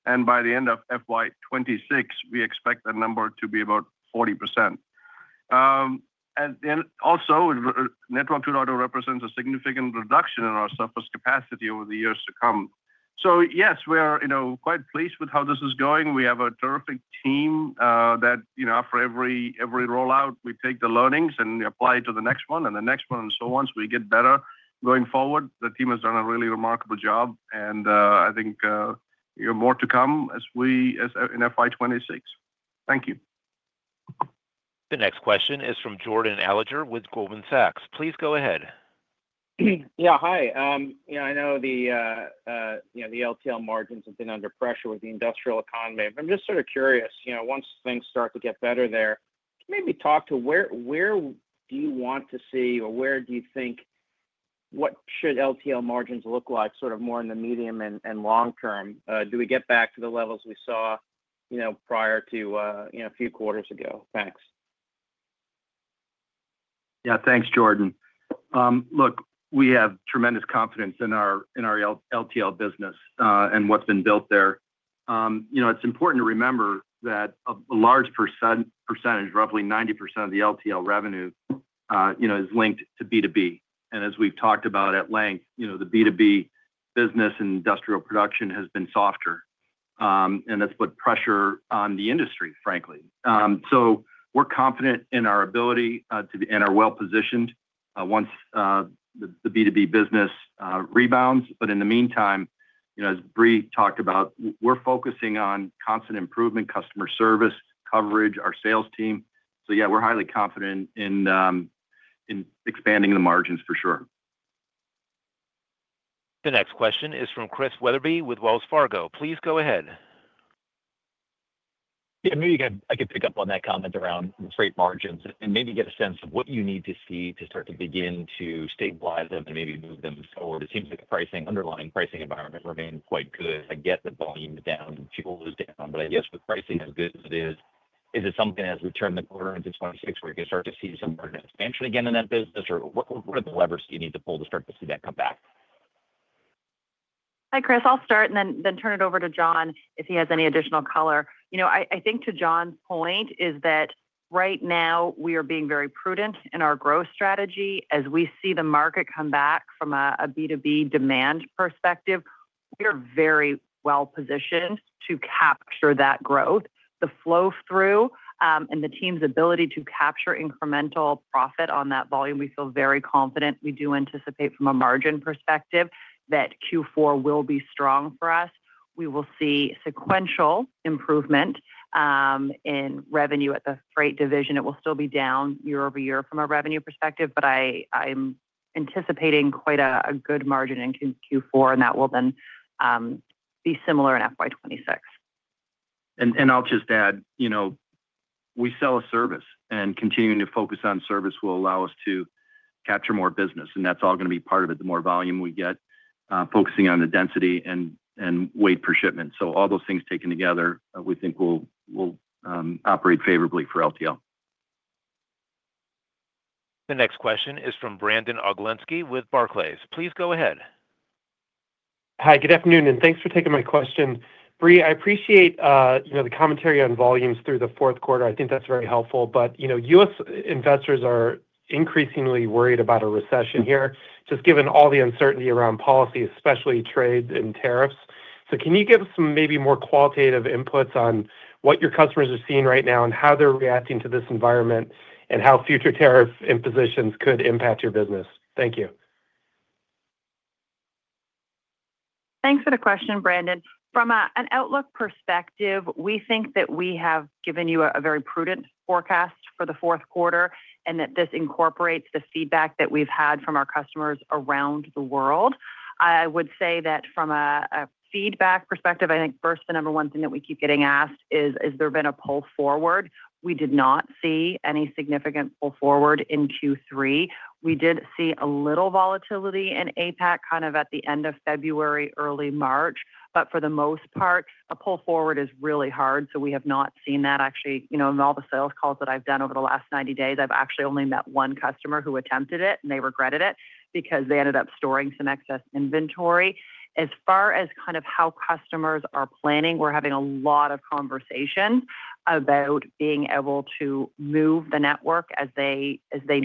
By the end of FY 2026, we expect that number to be about 40%. Network 2.0 also represents a significant reduction in our surplus capacity over the years to come. Yes, we're quite pleased with how this is going. We have a terrific team that for every rollout, we take the learnings and apply it to the next one and the next one and so on. We get better going forward. The team has done a really remarkable job, and I think more to come in FY 2026. Thank you. The next question is from Jordan Alliger with Goldman Sachs. Please go ahead. Yeah. Hi. I know the LTL margins have been under pressure with the industrial economy. I'm just sort of curious, once things start to get better there, maybe talk to where do you want to see or where do you think what should LTL margins look like, sort of more in the medium and long term? Do we get back to the levels we saw prior to a few quarters ago? Thanks. Yeah. Thanks, Jordan. Look, we have tremendous confidence in our LTL business and what's been built there. It's important to remember that a large percentage, roughly 90% of the LTL revenue, is linked to B2B. And as we've talked about at length, the B2B business and industrial production has been softer, and that's put pressure on the industry, frankly. We're confident in our ability and are well-positioned once the B2B business rebounds. In the meantime, as Brie talked about, we're focusing on constant improvement, customer service, coverage, our sales team. Yeah, we're highly confident in expanding the margins for sure. The next question is from Chris Wetherbee with Wells Fargo. Please go ahead. Yeah. Maybe I could pick up on that comment around freight margins and maybe get a sense of what you need to see to start to begin to stabilize them and maybe move them forward. It seems like the pricing, underlying pricing environment, remains quite good. I get the volume down, fuel is down, but I guess with pricing as good as it is, is it something as we turn the quarter into 2026 where you can start to see some of that expansion again in that business, or what are the levers you need to pull to start to see that come back? Hi, Chris. I'll start and then turn it over to John if he has any additional color. I think to John's point is that right now, we are being very prudent in our growth strategy. As we see the market come back from a B2B demand perspective, we are very well-positioned to capture that growth. The flow-through and the team's ability to capture incremental profit on that volume, we feel very confident. We do anticipate from a margin perspective that Q4 will be strong for us. We will see sequential improvement in revenue at the freight division. It will still be down year-over-year from a revenue perspective, but I'm anticipating quite a good margin in Q4, and that will then be similar in FY 2026. I will just add, we sell a service, and continuing to focus on service will allow us to capture more business. That is all going to be part of it, the more volume we get, focusing on the density and weight per shipment. All those things taken together, we think will operate favorably for LTL. The next question is from Brandon Oglenski with Barclays. Please go ahead. Hi, good afternoon, and thanks for taking my question. Brie, I appreciate the commentary on volumes through the fourth quarter. I think that's very helpful. U.S. investors are increasingly worried about a recession here, just given all the uncertainty around policy, especially trade and tariffs. Can you give some maybe more qualitative inputs on what your customers are seeing right now and how they're reacting to this environment and how future tariff impositions could impact your business? Thank you. Thanks for the question, Brandon. From an outlook perspective, we think that we have given you a very prudent forecast for the fourth quarter and that this incorporates the feedback that we've had from our customers around the world. I would say that from a feedback perspective, I think first, the number one thing that we keep getting asked is, has there been a pull forward? We did not see any significant pull forward in Q3. We did see a little volatility in APAC kind of at the end of February, early March. For the most part, a pull forward is really hard. We have not seen that. Actually, in all the sales calls that I've done over the last 90 days, I've actually only met one customer who attempted it, and they regretted it because they ended up storing some excess inventory. As far as kind of how customers are planning, we're having a lot of conversations about being able to move the network as they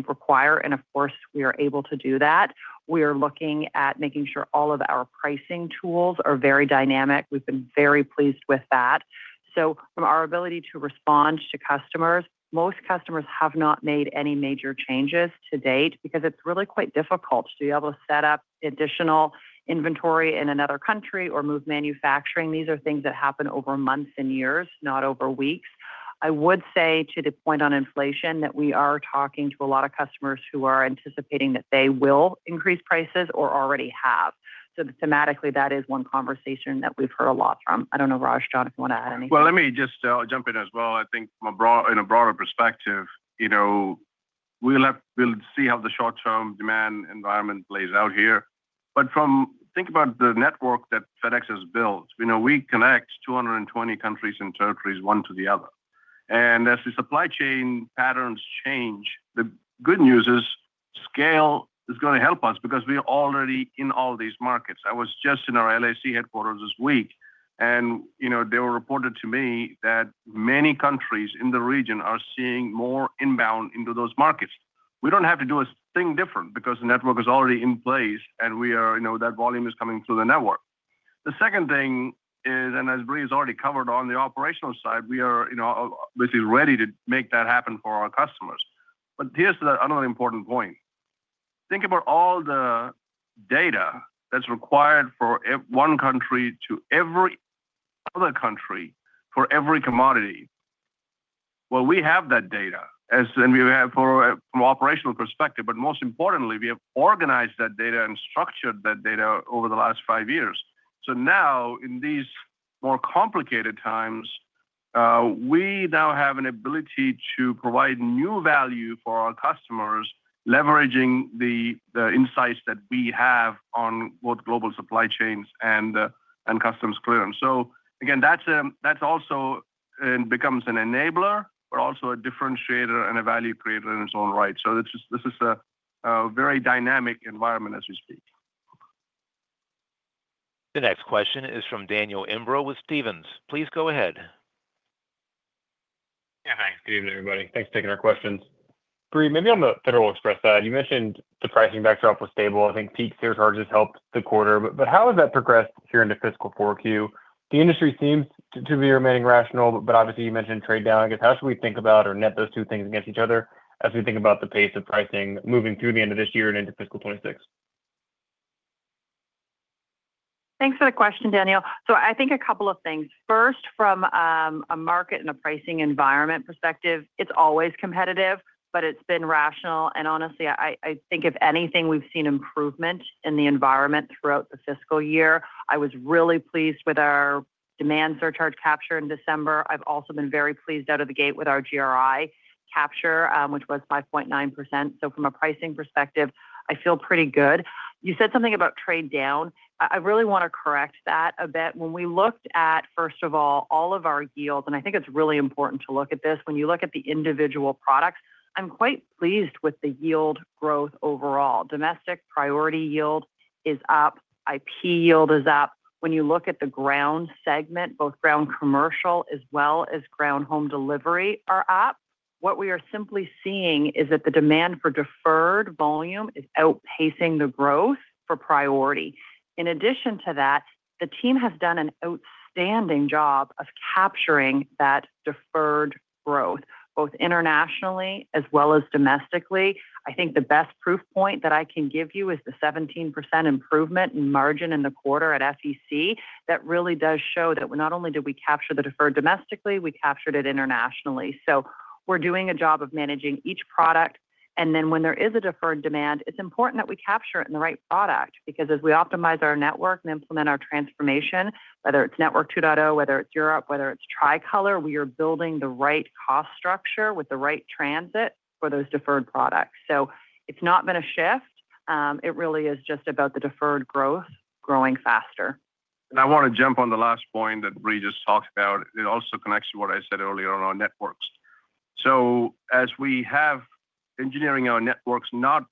require. Of course, we are able to do that. We are looking at making sure all of our pricing tools are very dynamic. We've been very pleased with that. From our ability to respond to customers, most customers have not made any major changes to date because it's really quite difficult to be able to set up additional inventory in another country or move manufacturing. These are things that happen over months and years, not over weeks. I would say to the point on inflation that we are talking to a lot of customers who are anticipating that they will increase prices or already have. Thematically, that is one conversation that we've heard a lot from. I don't know, Raj, John, if you want to add anything. Let me just jump in as well. I think from a broader perspective, we'll see how the short-term demand environment plays out here. Think about the network that FedEx has built. We connect 220 countries and territories one to the other. As the supply chain patterns change, the good news is scale is going to help us because we are already in all these markets. I was just in our LAC headquarters this week, and they reported to me that many countries in the region are seeing more inbound into those markets. We do not have to do a thing different because the network is already in place and that volume is coming through the network. The second thing is, and as Brie has already covered on the operational side, we are obviously ready to make that happen for our customers. Here's another important point. Think about all the data that's required for one country to every other country for every commodity. We have that data, and we have from an operational perspective, but most importantly, we have organized that data and structured that data over the last five years. Now, in these more complicated times, we now have an ability to provide new value for our customers, leveraging the insights that we have on both global supply chains and customs clearance. That also becomes an enabler, but also a differentiator and a value creator in its own right. This is a very dynamic environment as we speak. The next question is from Daniel Imbro with Stephens. Please go ahead. Yeah. Thanks. Good evening, everybody. Thanks for taking our questions. Brie, maybe on the Federal Express side, you mentioned the pricing backdrop was stable. I think peak surcharges helped the quarter. How has that progressed here into fiscal Q4? The industry seems to be remaining rational, but obviously, you mentioned trade down. I guess how should we think about or net those two things against each other as we think about the pace of pricing moving through the end of this year and into fiscal 2026? Thanks for the question, Daniel. I think a couple of things. First, from a market and a pricing environment perspective, it's always competitive, but it's been rational. Honestly, I think if anything, we've seen improvement in the environment throughout the fiscal year. I was really pleased with our demand surcharge capture in December. I've also been very pleased out of the gate with our GRI capture, which was 5.9%. From a pricing perspective, I feel pretty good. You said something about trade down. I really want to correct that a bit. When we looked at, first of all, all of our yields, and I think it's really important to look at this. When you look at the individual products, I'm quite pleased with the yield growth overall. Domestic priority yield is up. IP yield is up. When you look at the Ground segment, both Ground Commercial as well as Ground Home Delivery are up. What we are simply seeing is that the demand for deferred volume is outpacing the growth for priority. In addition to that, the team has done an outstanding job of capturing that deferred growth, both internationally as well as domestically. I think the best proof point that I can give you is the 17% improvement in margin in the quarter at FEC. That really does show that not only did we capture the deferred domestically, we captured it internationally. We are doing a job of managing each product. When there is a deferred demand, it's important that we capture it in the right product because as we optimize our network and implement our transformation, whether it's Network 2.0, whether it's Europe, whether it's Tricolor, we are building the right cost structure with the right transit for those deferred products. It has not been a shift. It really is just about the deferred growth growing faster. I want to jump on the last point that Brie just talked about. It also connects to what I said earlier on our networks. As we have engineering our networks, not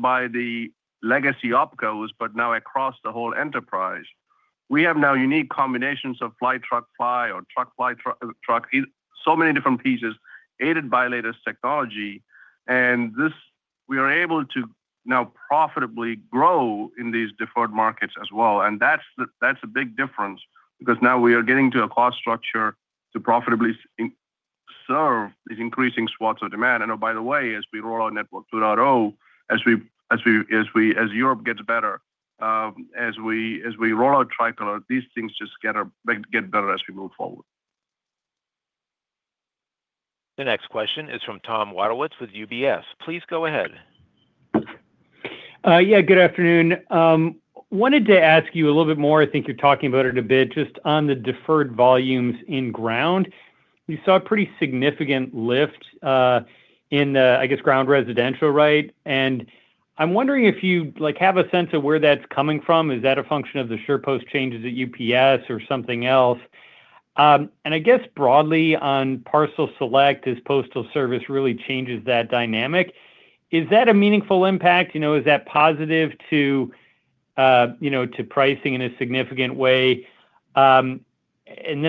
by the legacy opcos, but now across the whole enterprise, we have now unique combinations of flight, truck, fly, or truck, flight, truck, so many different pieces aided by latest technology. We are able to now profitably grow in these deferred markets as well. That is a big difference because now we are getting to a cost structure to profitably serve these increasing swaths of demand. By the way, as we roll our Network 2.0, as Europe gets better, as we roll out Tricolor, these things just get better as we move forward. The next question is from Tom Wadewitz with UBS. Please go ahead. Yeah. Good afternoon. Wanted to ask you a little bit more. I think you're talking about it a bit just on the deferred volumes in Ground. We saw a pretty significant lift in the, I guess, Ground residential, right? I'm wondering if you have a sense of where that's coming from. Is that a function of the SurePost changes at UPS or something else? I guess broadly on Parcel Select, as Postal Service really changes that dynamic, is that a meaningful impact? Is that positive to pricing in a significant way?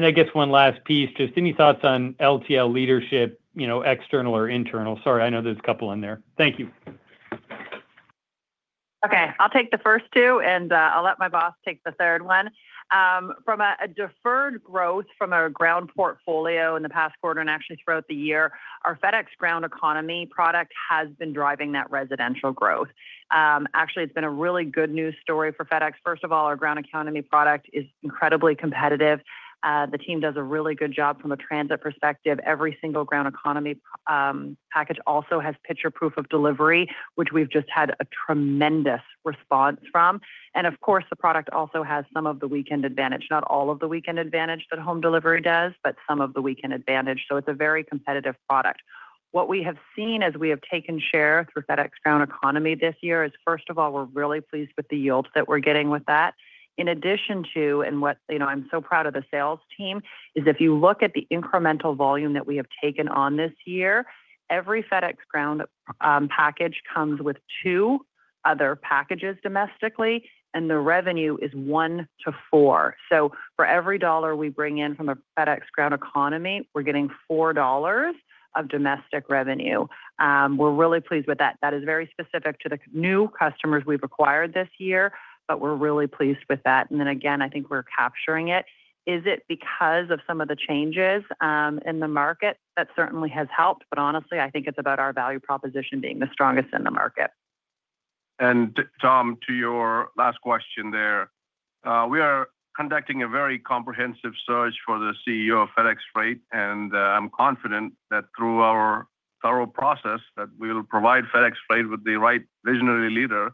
I guess one last piece, just any thoughts on LTL leadership, external or internal? Sorry, I know there's a couple in there. Thank you. Okay. I'll take the first two, and I'll let my boss take the third one. From a deferred growth from our Ground portfolio in the past quarter and actually throughout the year, our FedEx Ground Economy product has been driving that residential growth. Actually, it's been a really good news story for FedEx. First of all, our Ground Economy product is incredibly competitive. The team does a really good job from a transit perspective. Every single Ground Economy package also has picture proof of delivery, which we've just had a tremendous response from. Of course, the product also has some of the weekend advantage, not all of the weekend advantage that Home Delivery does, but some of the weekend advantage. It is a very competitive product. What we have seen as we have taken share through FedEx Ground Economy this year is, first of all, we're really pleased with the yields that we're getting with that. In addition to, and I'm so proud of the sales team, is if you look at the incremental volume that we have taken on this year, every FedEx Ground package comes with two other packages domestically, and the revenue is one to four. For every $1 we bring in from a FedEx Ground Economy, we're getting $4 of domestic revenue. We're really pleased with that. That is very specific to the new customers we've acquired this year, but we're really pleased with that. I think we're capturing it. Is it because of some of the changes in the market? That certainly has helped, honestly, I think it's about our value proposition being the strongest in the market. To your last question there, we are conducting a very comprehensive search for the CEO of FedEx Freight, and I'm confident that through our thorough process, we will provide FedEx Freight with the right visionary leader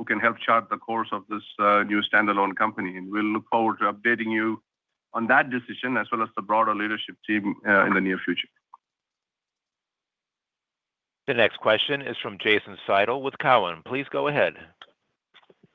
who can help chart the course of this new standalone company. We look forward to updating you on that decision as well as the broader leadership team in the near future. The next question is from Jason Seidl with Cowen. Please go ahead.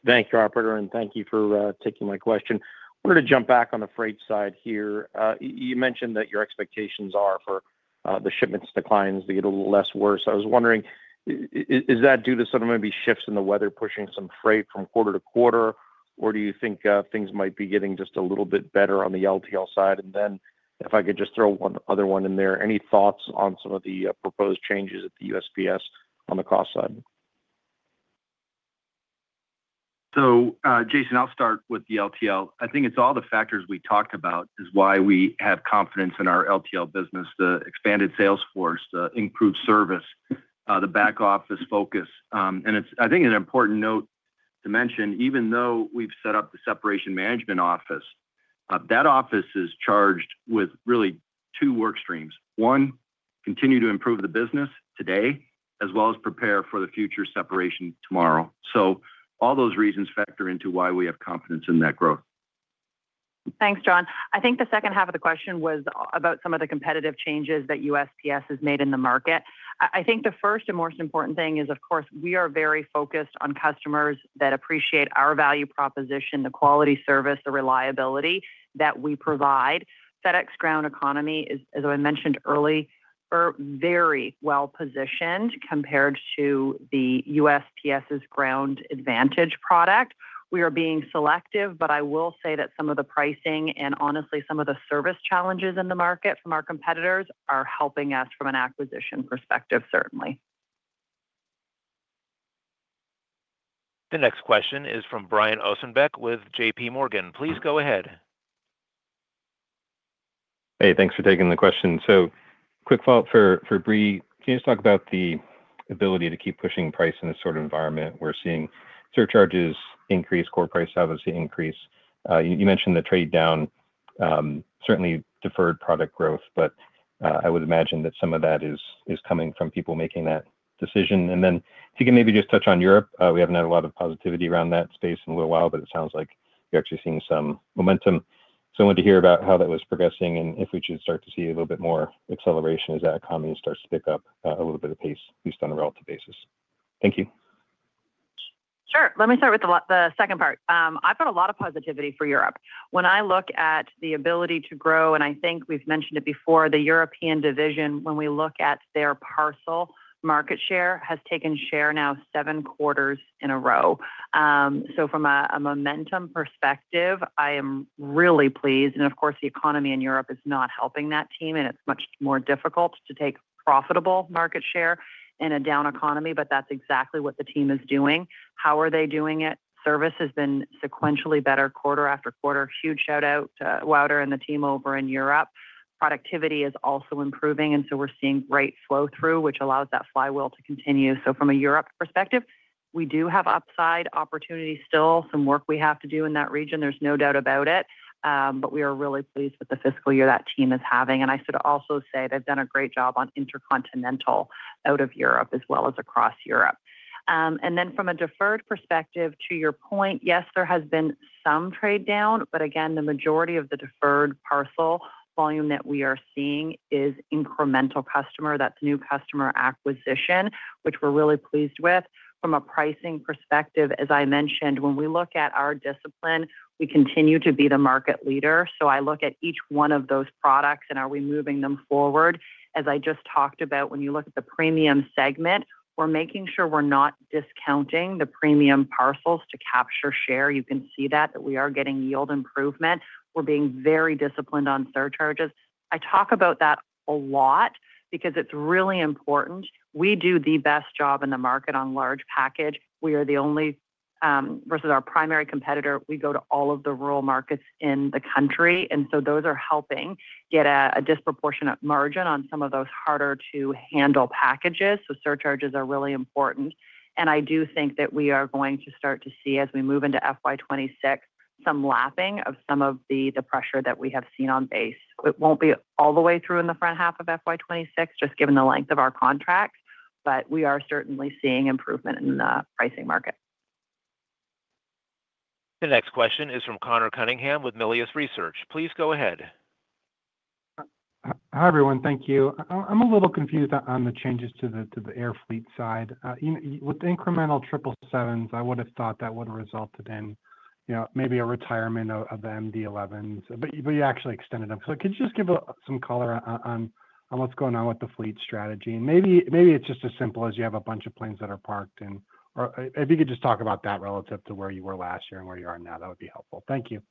Thanks, Operator, and thank you for taking my question. I wanted to jump back on the freight side here. You mentioned that your expectations are for the shipments declines to get a little less worse. I was wondering, is that due to some of maybe shifts in the weather pushing some freight from quarter to quarter, or do you think things might be getting just a little bit better on the LTL side? If I could just throw one other one in there, any thoughts on some of the proposed changes at the USPS on the cost side? Jason, I'll start with the LTL. I think it's all the factors we talked about is why we have confidence in our LTL business, the expanded sales force, the improved service, the back office focus. I think it's an important note to mention, even though we've set up the separation management office, that office is charged with really two work streams. One, continue to improve the business today, as well as prepare for the future separation tomorrow. All those reasons factor into why we have confidence in that growth. Thanks, John. I think the second half of the question was about some of the competitive changes that USPS has made in the market. I think the first and most important thing is, of course, we are very focused on customers that appreciate our value proposition, the quality service, the reliability that we provide. FedEx Ground Economy, as I mentioned earlier, is very well positioned compared to the USPS's Ground Advantage product. We are being selective, but I will say that some of the pricing and honestly, some of the service challenges in the market from our competitors are helping us from an acquisition perspective, certainly. The next question is from Brian Ossenbeck with JPMorgan. Please go ahead. Hey, thanks for taking the question. Quick follow-up for Brie. Can you just talk about the ability to keep pushing price in this sort of environment? We're seeing surcharges increase, core price obviously increase. You mentioned the trade down, certainly deferred product growth, but I would imagine that some of that is coming from people making that decision. If you can maybe just touch on Europe, we haven't had a lot of positivity around that space in a little while, but it sounds like you're actually seeing some momentum. I wanted to hear about how that was progressing and if we should start to see a little bit more acceleration as that economy starts to pick up a little bit of pace based on a relative basis. Thank you. Sure. Let me start with the second part. I've got a lot of positivity for Europe. When I look at the ability to grow, and I think we've mentioned it before, the European division, when we look at their parcel market share, has taken share now seven quarters in a row. From a momentum perspective, I am really pleased. Of course, the economy in Europe is not helping that team, and it's much more difficult to take profitable market share in a down economy, but that's exactly what the team is doing. How are they doing it? Service has been sequentially better quarter after quarter. Huge shout-out to Wouter and the team over in Europe. Productivity is also improving, and so we're seeing great flow through, which allows that flywheel to continue. From a Europe perspective, we do have upside opportunity still, some work we have to do in that region. There is no doubt about it, but we are really pleased with the fiscal year that team is having. I should also say they have done a great job on intercontinental out of Europe as well as across Europe. From a deferred perspective, to your point, yes, there has been some trade down, but again, the majority of the deferred parcel volume that we are seeing is incremental customer. That is new customer acquisition, which we are really pleased with. From a pricing perspective, as I mentioned, when we look at our discipline, we continue to be the market leader. I look at each one of those products and are we moving them forward? As I just talked about, when you look at the premium segment, we're making sure we're not discounting the premium parcels to capture share. You can see that we are getting yield improvement. We're being very disciplined on surcharges. I talk about that a lot because it's really important. We do the best job in the market on large package. We are the only, versus our primary competitor, we go to all of the rural markets in the country. Those are helping get a disproportionate margin on some of those harder-to-handle packages. Surcharges are really important. I do think that we are going to start to see, as we move into FY 2026, some lapping of some of the pressure that we have seen on base. It won't be all the way through in the front half of FY 2026, just given the length of our contracts, but we are certainly seeing improvement in the pricing market. The next question is from Conor Cunningham with Melius Research. Please go ahead. Hi everyone. Thank you. I'm a little confused on the changes to the air fleet side. With the incremental 777s, I would have thought that would have resulted in maybe a retirement of the MD-11s, but you actually extended them. Could you just give some color on what's going on with the fleet strategy? Maybe it's just as simple as you have a bunch of planes that are parked. If you could just talk about that relative to where you were last year and where you are now, that would be helpful. Thank you.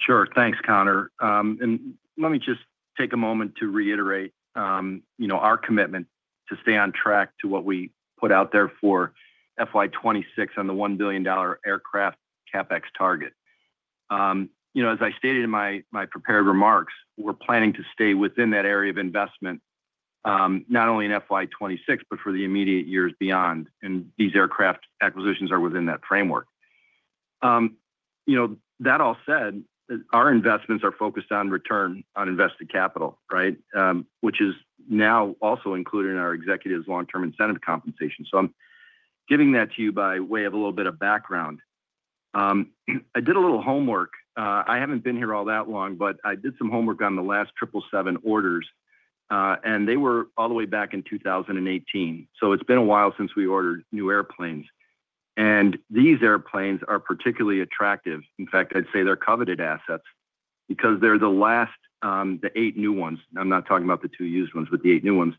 Sure. Thanks, Conor. Let me just take a moment to reiterate our commitment to stay on track to what we put out there for FY 2026 on the $1 billion aircraft CapEx target. As I stated in my prepared remarks, we're planning to stay within that area of investment, not only in FY 2026, but for the immediate years beyond. These aircraft acquisitions are within that framework. That all said, our investments are focused on return on invested capital, right? Which is now also included in our executives' long-term incentive compensation. I'm giving that to you by way of a little bit of background. I did a little homework. I haven't been here all that long, but I did some homework on the last 777 orders, and they were all the way back in 2018. It's been a while since we ordered new airplanes. These airplanes are particularly attractive. In fact, I'd say they're coveted assets because they're the last, the eight new ones. I'm not talking about the two used ones, but the eight new ones.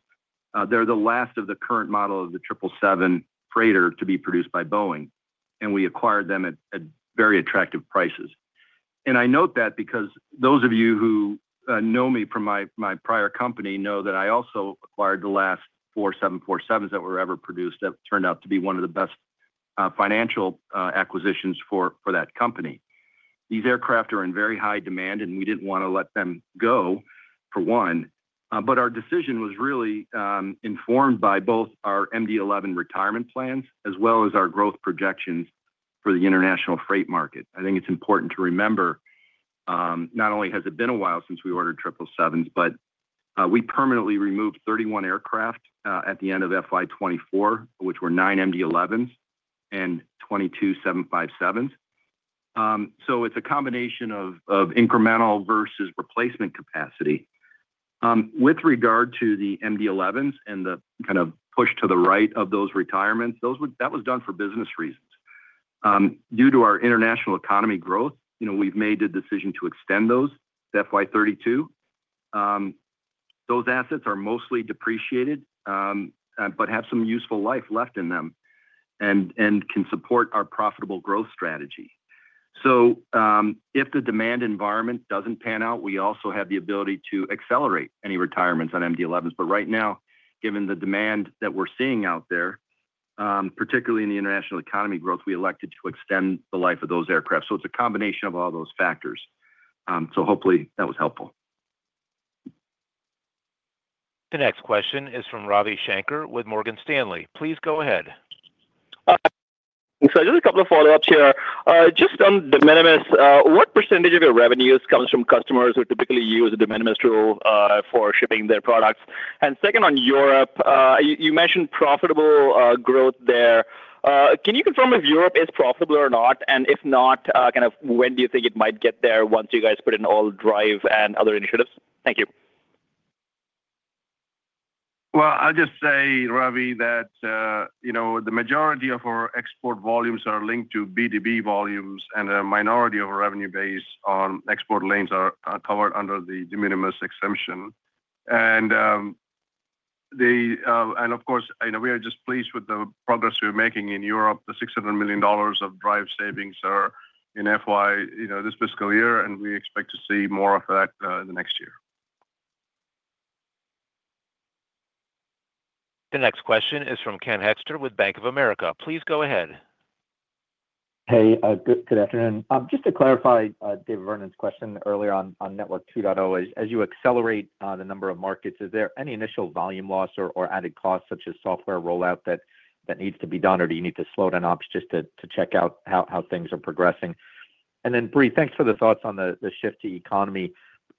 They're the last of the current model of the 777 freighter to be produced by Boeing. We acquired them at very attractive prices. I note that because those of you who know me from my prior company know that I also acquired the last 747s that were ever produced that turned out to be one of the best financial acquisitions for that company. These aircraft are in very high demand, and we didn't want to let them go, for one. Our decision was really informed by both our MD-11 retirement plans as well as our growth projections for the international freight market. I think it's important to remember, not only has it been a while since we ordered triple sevens, but we permanently removed 31 aircraft at the end of FY 2024, which were nine MD-11s and 22 Boeing 757s. It's a combination of incremental versus replacement capacity. With regard to the MD-11s and the kind of push to the right of those retirements, that was done for business reasons. Due to our international economy growth, we've made a decision to extend those to FY 2032. Those assets are mostly depreciated, but have some useful life left in them and can support our profitable growth strategy. If the demand environment doesn't pan out, we also have the ability to accelerate any retirements on MD-11s. Right now, given the demand that we're seeing out there, particularly in the international economy growth, we elected to extend the life of those aircraft. It is a combination of all those factors. Hopefully that was helpful. The next question is from Ravi Shanker with Morgan Stanley. Please go ahead. Just a couple of follow-ups here. Just on the de minimis, what percentage of your revenues comes from customers who typically use the de minimis tool for shipping their products? Second, on Europe, you mentioned profitable growth there. Can you confirm if Europe is profitable or not? If not, kind of when do you think it might get there once you guys put in all DRIVE and other initiatives? Thank you. I'll just say, Ravi, that the majority of our export volumes are linked to B2B volumes, and a minority of our revenue base on export lanes are covered under the de minimis exemption. Of course, we are just pleased with the progress we're making in Europe. The $600 million of DRIVE savings are in FY this fiscal year, and we expect to see more of that in the next year. The next question is from Ken Hoexter with Bank of America. Please go ahead. Hey, good afternoon. Just to clarify David Vernon's question earlier on Network 2.0, as you accelerate the number of markets, is there any initial volume loss or added costs such as software rollout that needs to be done, or do you need to slow down ops just to check out how things are progressing? Bree, thanks for the thoughts on the shift to economy.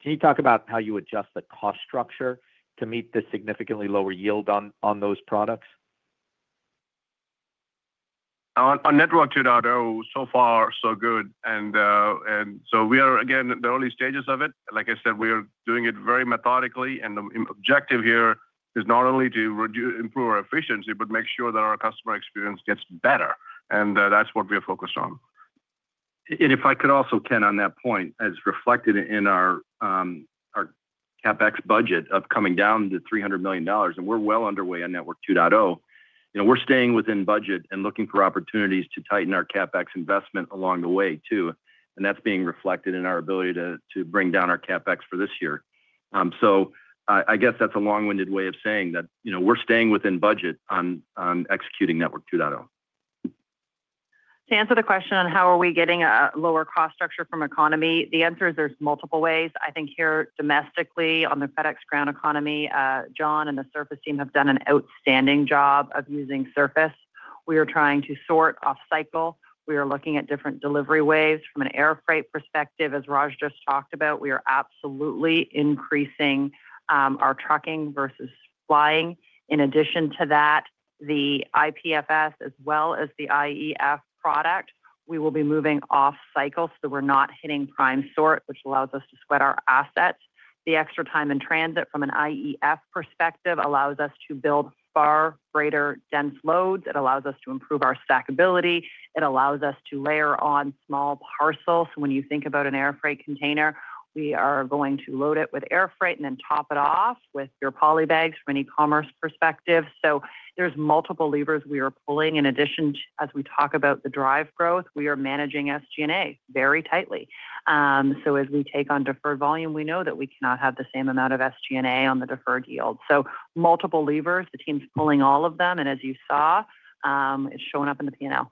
Can you talk about how you adjust the cost structure to meet the significantly lower yield on those products? On Network 2.0, so far, so good. We are again in the early stages of it. Like I said, we are doing it very methodically. The objective here is not only to improve our efficiency, but make sure that our customer experience gets better. That is what we are focused on. If I could also, Ken, on that point, as reflected in our CapEx budget of coming down to $300 million, and we're well underway on Network 2.0, we're staying within budget and looking for opportunities to tighten our CapEx investment along the way too. That's being reflected in our ability to bring down our CapEx for this year. I guess that's a long-winded way of saying that we're staying within budget on executing Network 2.0. To answer the question on how are we getting a lower cost structure from economy, the answer is there's multiple ways. I think here domestically on the FedEx Ground Economy, John and the Surface team have done an outstanding job of using Surface. We are trying to sort off cycle. We are looking at different delivery ways from an air freight perspective. As Raj just talked about, we are absolutely increasing our trucking versus flying. In addition to that, the IPFS as well as the IEF product, we will be moving off cycle so that we're not hitting prime sort, which allows us to sweat our assets. The extra time in transit from an IEF perspective allows us to build far greater dense loads. It allows us to improve our stackability. It allows us to layer on small parcels. When you think about an air freight container, we are going to load it with air freight and then top it off with your poly bags from an e-commerce perspective. There are multiple levers we are pulling. In addition, as we talk about the drive growth, we are managing SG&A very tightly. As we take on deferred volume, we know that we cannot have the same amount of SG&A on the deferred yield. Multiple levers, the team's pulling all of them. As you saw, it's showing up in the P&L.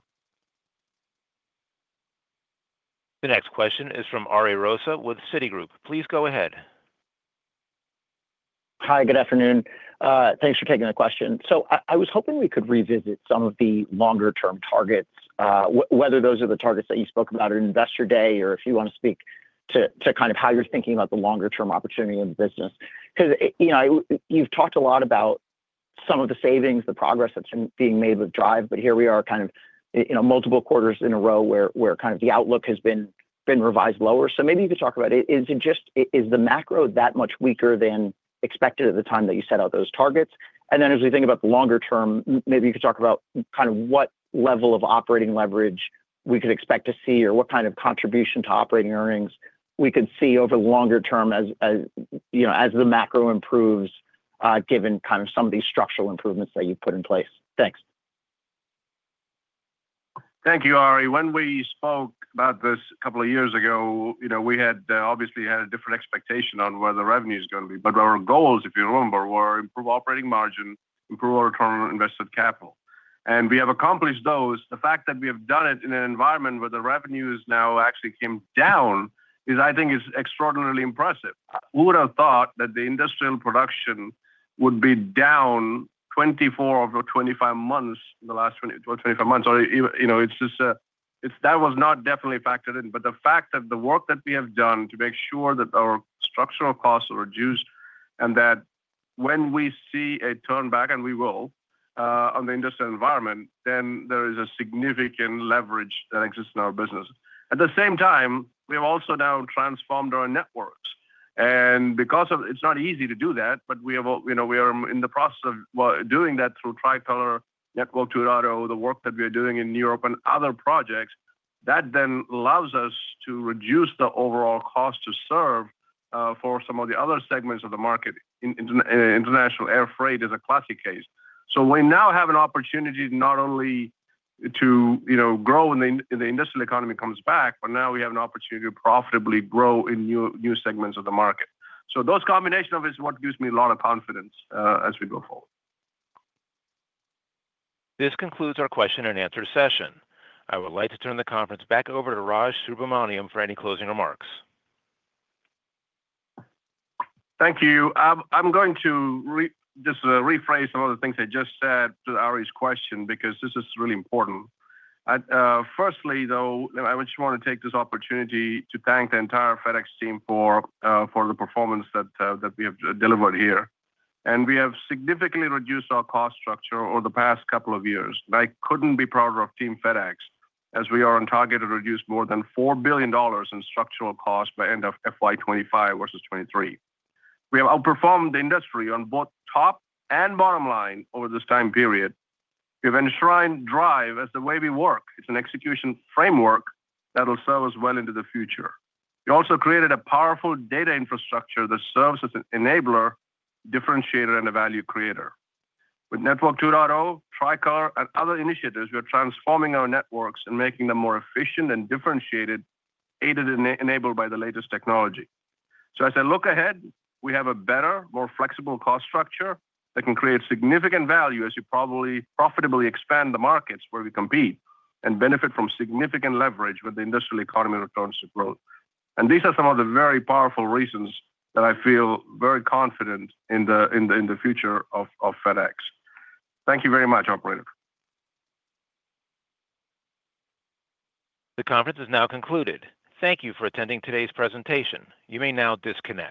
The next question is from Ari Rosa with Citigroup. Please go ahead. Hi, good afternoon. Thanks for taking the question. I was hoping we could revisit some of the longer-term targets, whether those are the targets that you spoke about at Investor Day or if you want to speak to kind of how you're thinking about the longer-term opportunity of the business. Because you've talked a lot about some of the savings, the progress that's being made with DRIVE, but here we are kind of multiple quarters in a row where kind of the outlook has been revised lower. Maybe you could talk about it. Is the macro that much weaker than expected at the time that you set out those targets? As we think about the longer term, maybe you could talk about kind of what level of operating leverage we could expect to see or what kind of contribution to operating earnings we could see over the longer term as the macro improves given kind of some of these structural improvements that you've put in place. Thanks. Thank you, Ari. When we spoke about this a couple of years ago, we had obviously had a different expectation on where the revenue is going to be. Our goals, if you remember, were to improve operating margin, improve our return on invested capital. We have accomplished those. The fact that we have done it in an environment where the revenues now actually came down is, I think, extraordinarily impressive. Who would have thought that the industrial production would be down 24 or 25 months in the last 25 months? That was not definitely factored in. The fact that the work that we have done to make sure that our structural costs are reduced and that when we see a turnback, and we will, on the industrial environment, there is a significant leverage that exists in our business. At the same time, we have also now transformed our networks. It is not easy to do that, but we are in the process of doing that through Tricolor, Network 2.0, the work that we are doing in New York on other projects, that then allows us to reduce the overall cost to serve for some of the other segments of the market. International air freight is a classic case. We now have an opportunity not only to grow when the industrial economy comes back, but now we have an opportunity to profitably grow in new segments of the market. Those combinations of it is what gives me a lot of confidence as we go forward. This concludes our question and answer session. I would like to turn the conference back over to Raj Subramaniam for any closing remarks. Thank you. I'm going to just rephrase some of the things I just said to Ari's question because this is really important. Firstly, though, I just want to take this opportunity to thank the entire FedEx team for the performance that we have delivered here. We have significantly reduced our cost structure over the past couple of years. I couldn't be prouder of Team FedEx as we are on target to reduce more than $4 billion in structural cost by end of FY 2025 versus 2023. We have outperformed the industry on both top and bottom line over this time period. We have enshrined DRIVE as the way we work. It's an execution framework that will serve us well into the future. We also created a powerful data infrastructure that serves as an enabler, differentiator, and a value creator. With Network 2.0, Tricolor, and other initiatives, we are transforming our networks and making them more efficient and differentiated, aided and enabled by the latest technology. As I look ahead, we have a better, more flexible cost structure that can create significant value as we profitably expand the markets where we compete and benefit from significant leverage when the industrial economy returns to growth. These are some of the very powerful reasons that I feel very confident in the future of FedEx. Thank you very much, operator. The conference is now concluded. Thank you for attending today's presentation. You may now disconnect.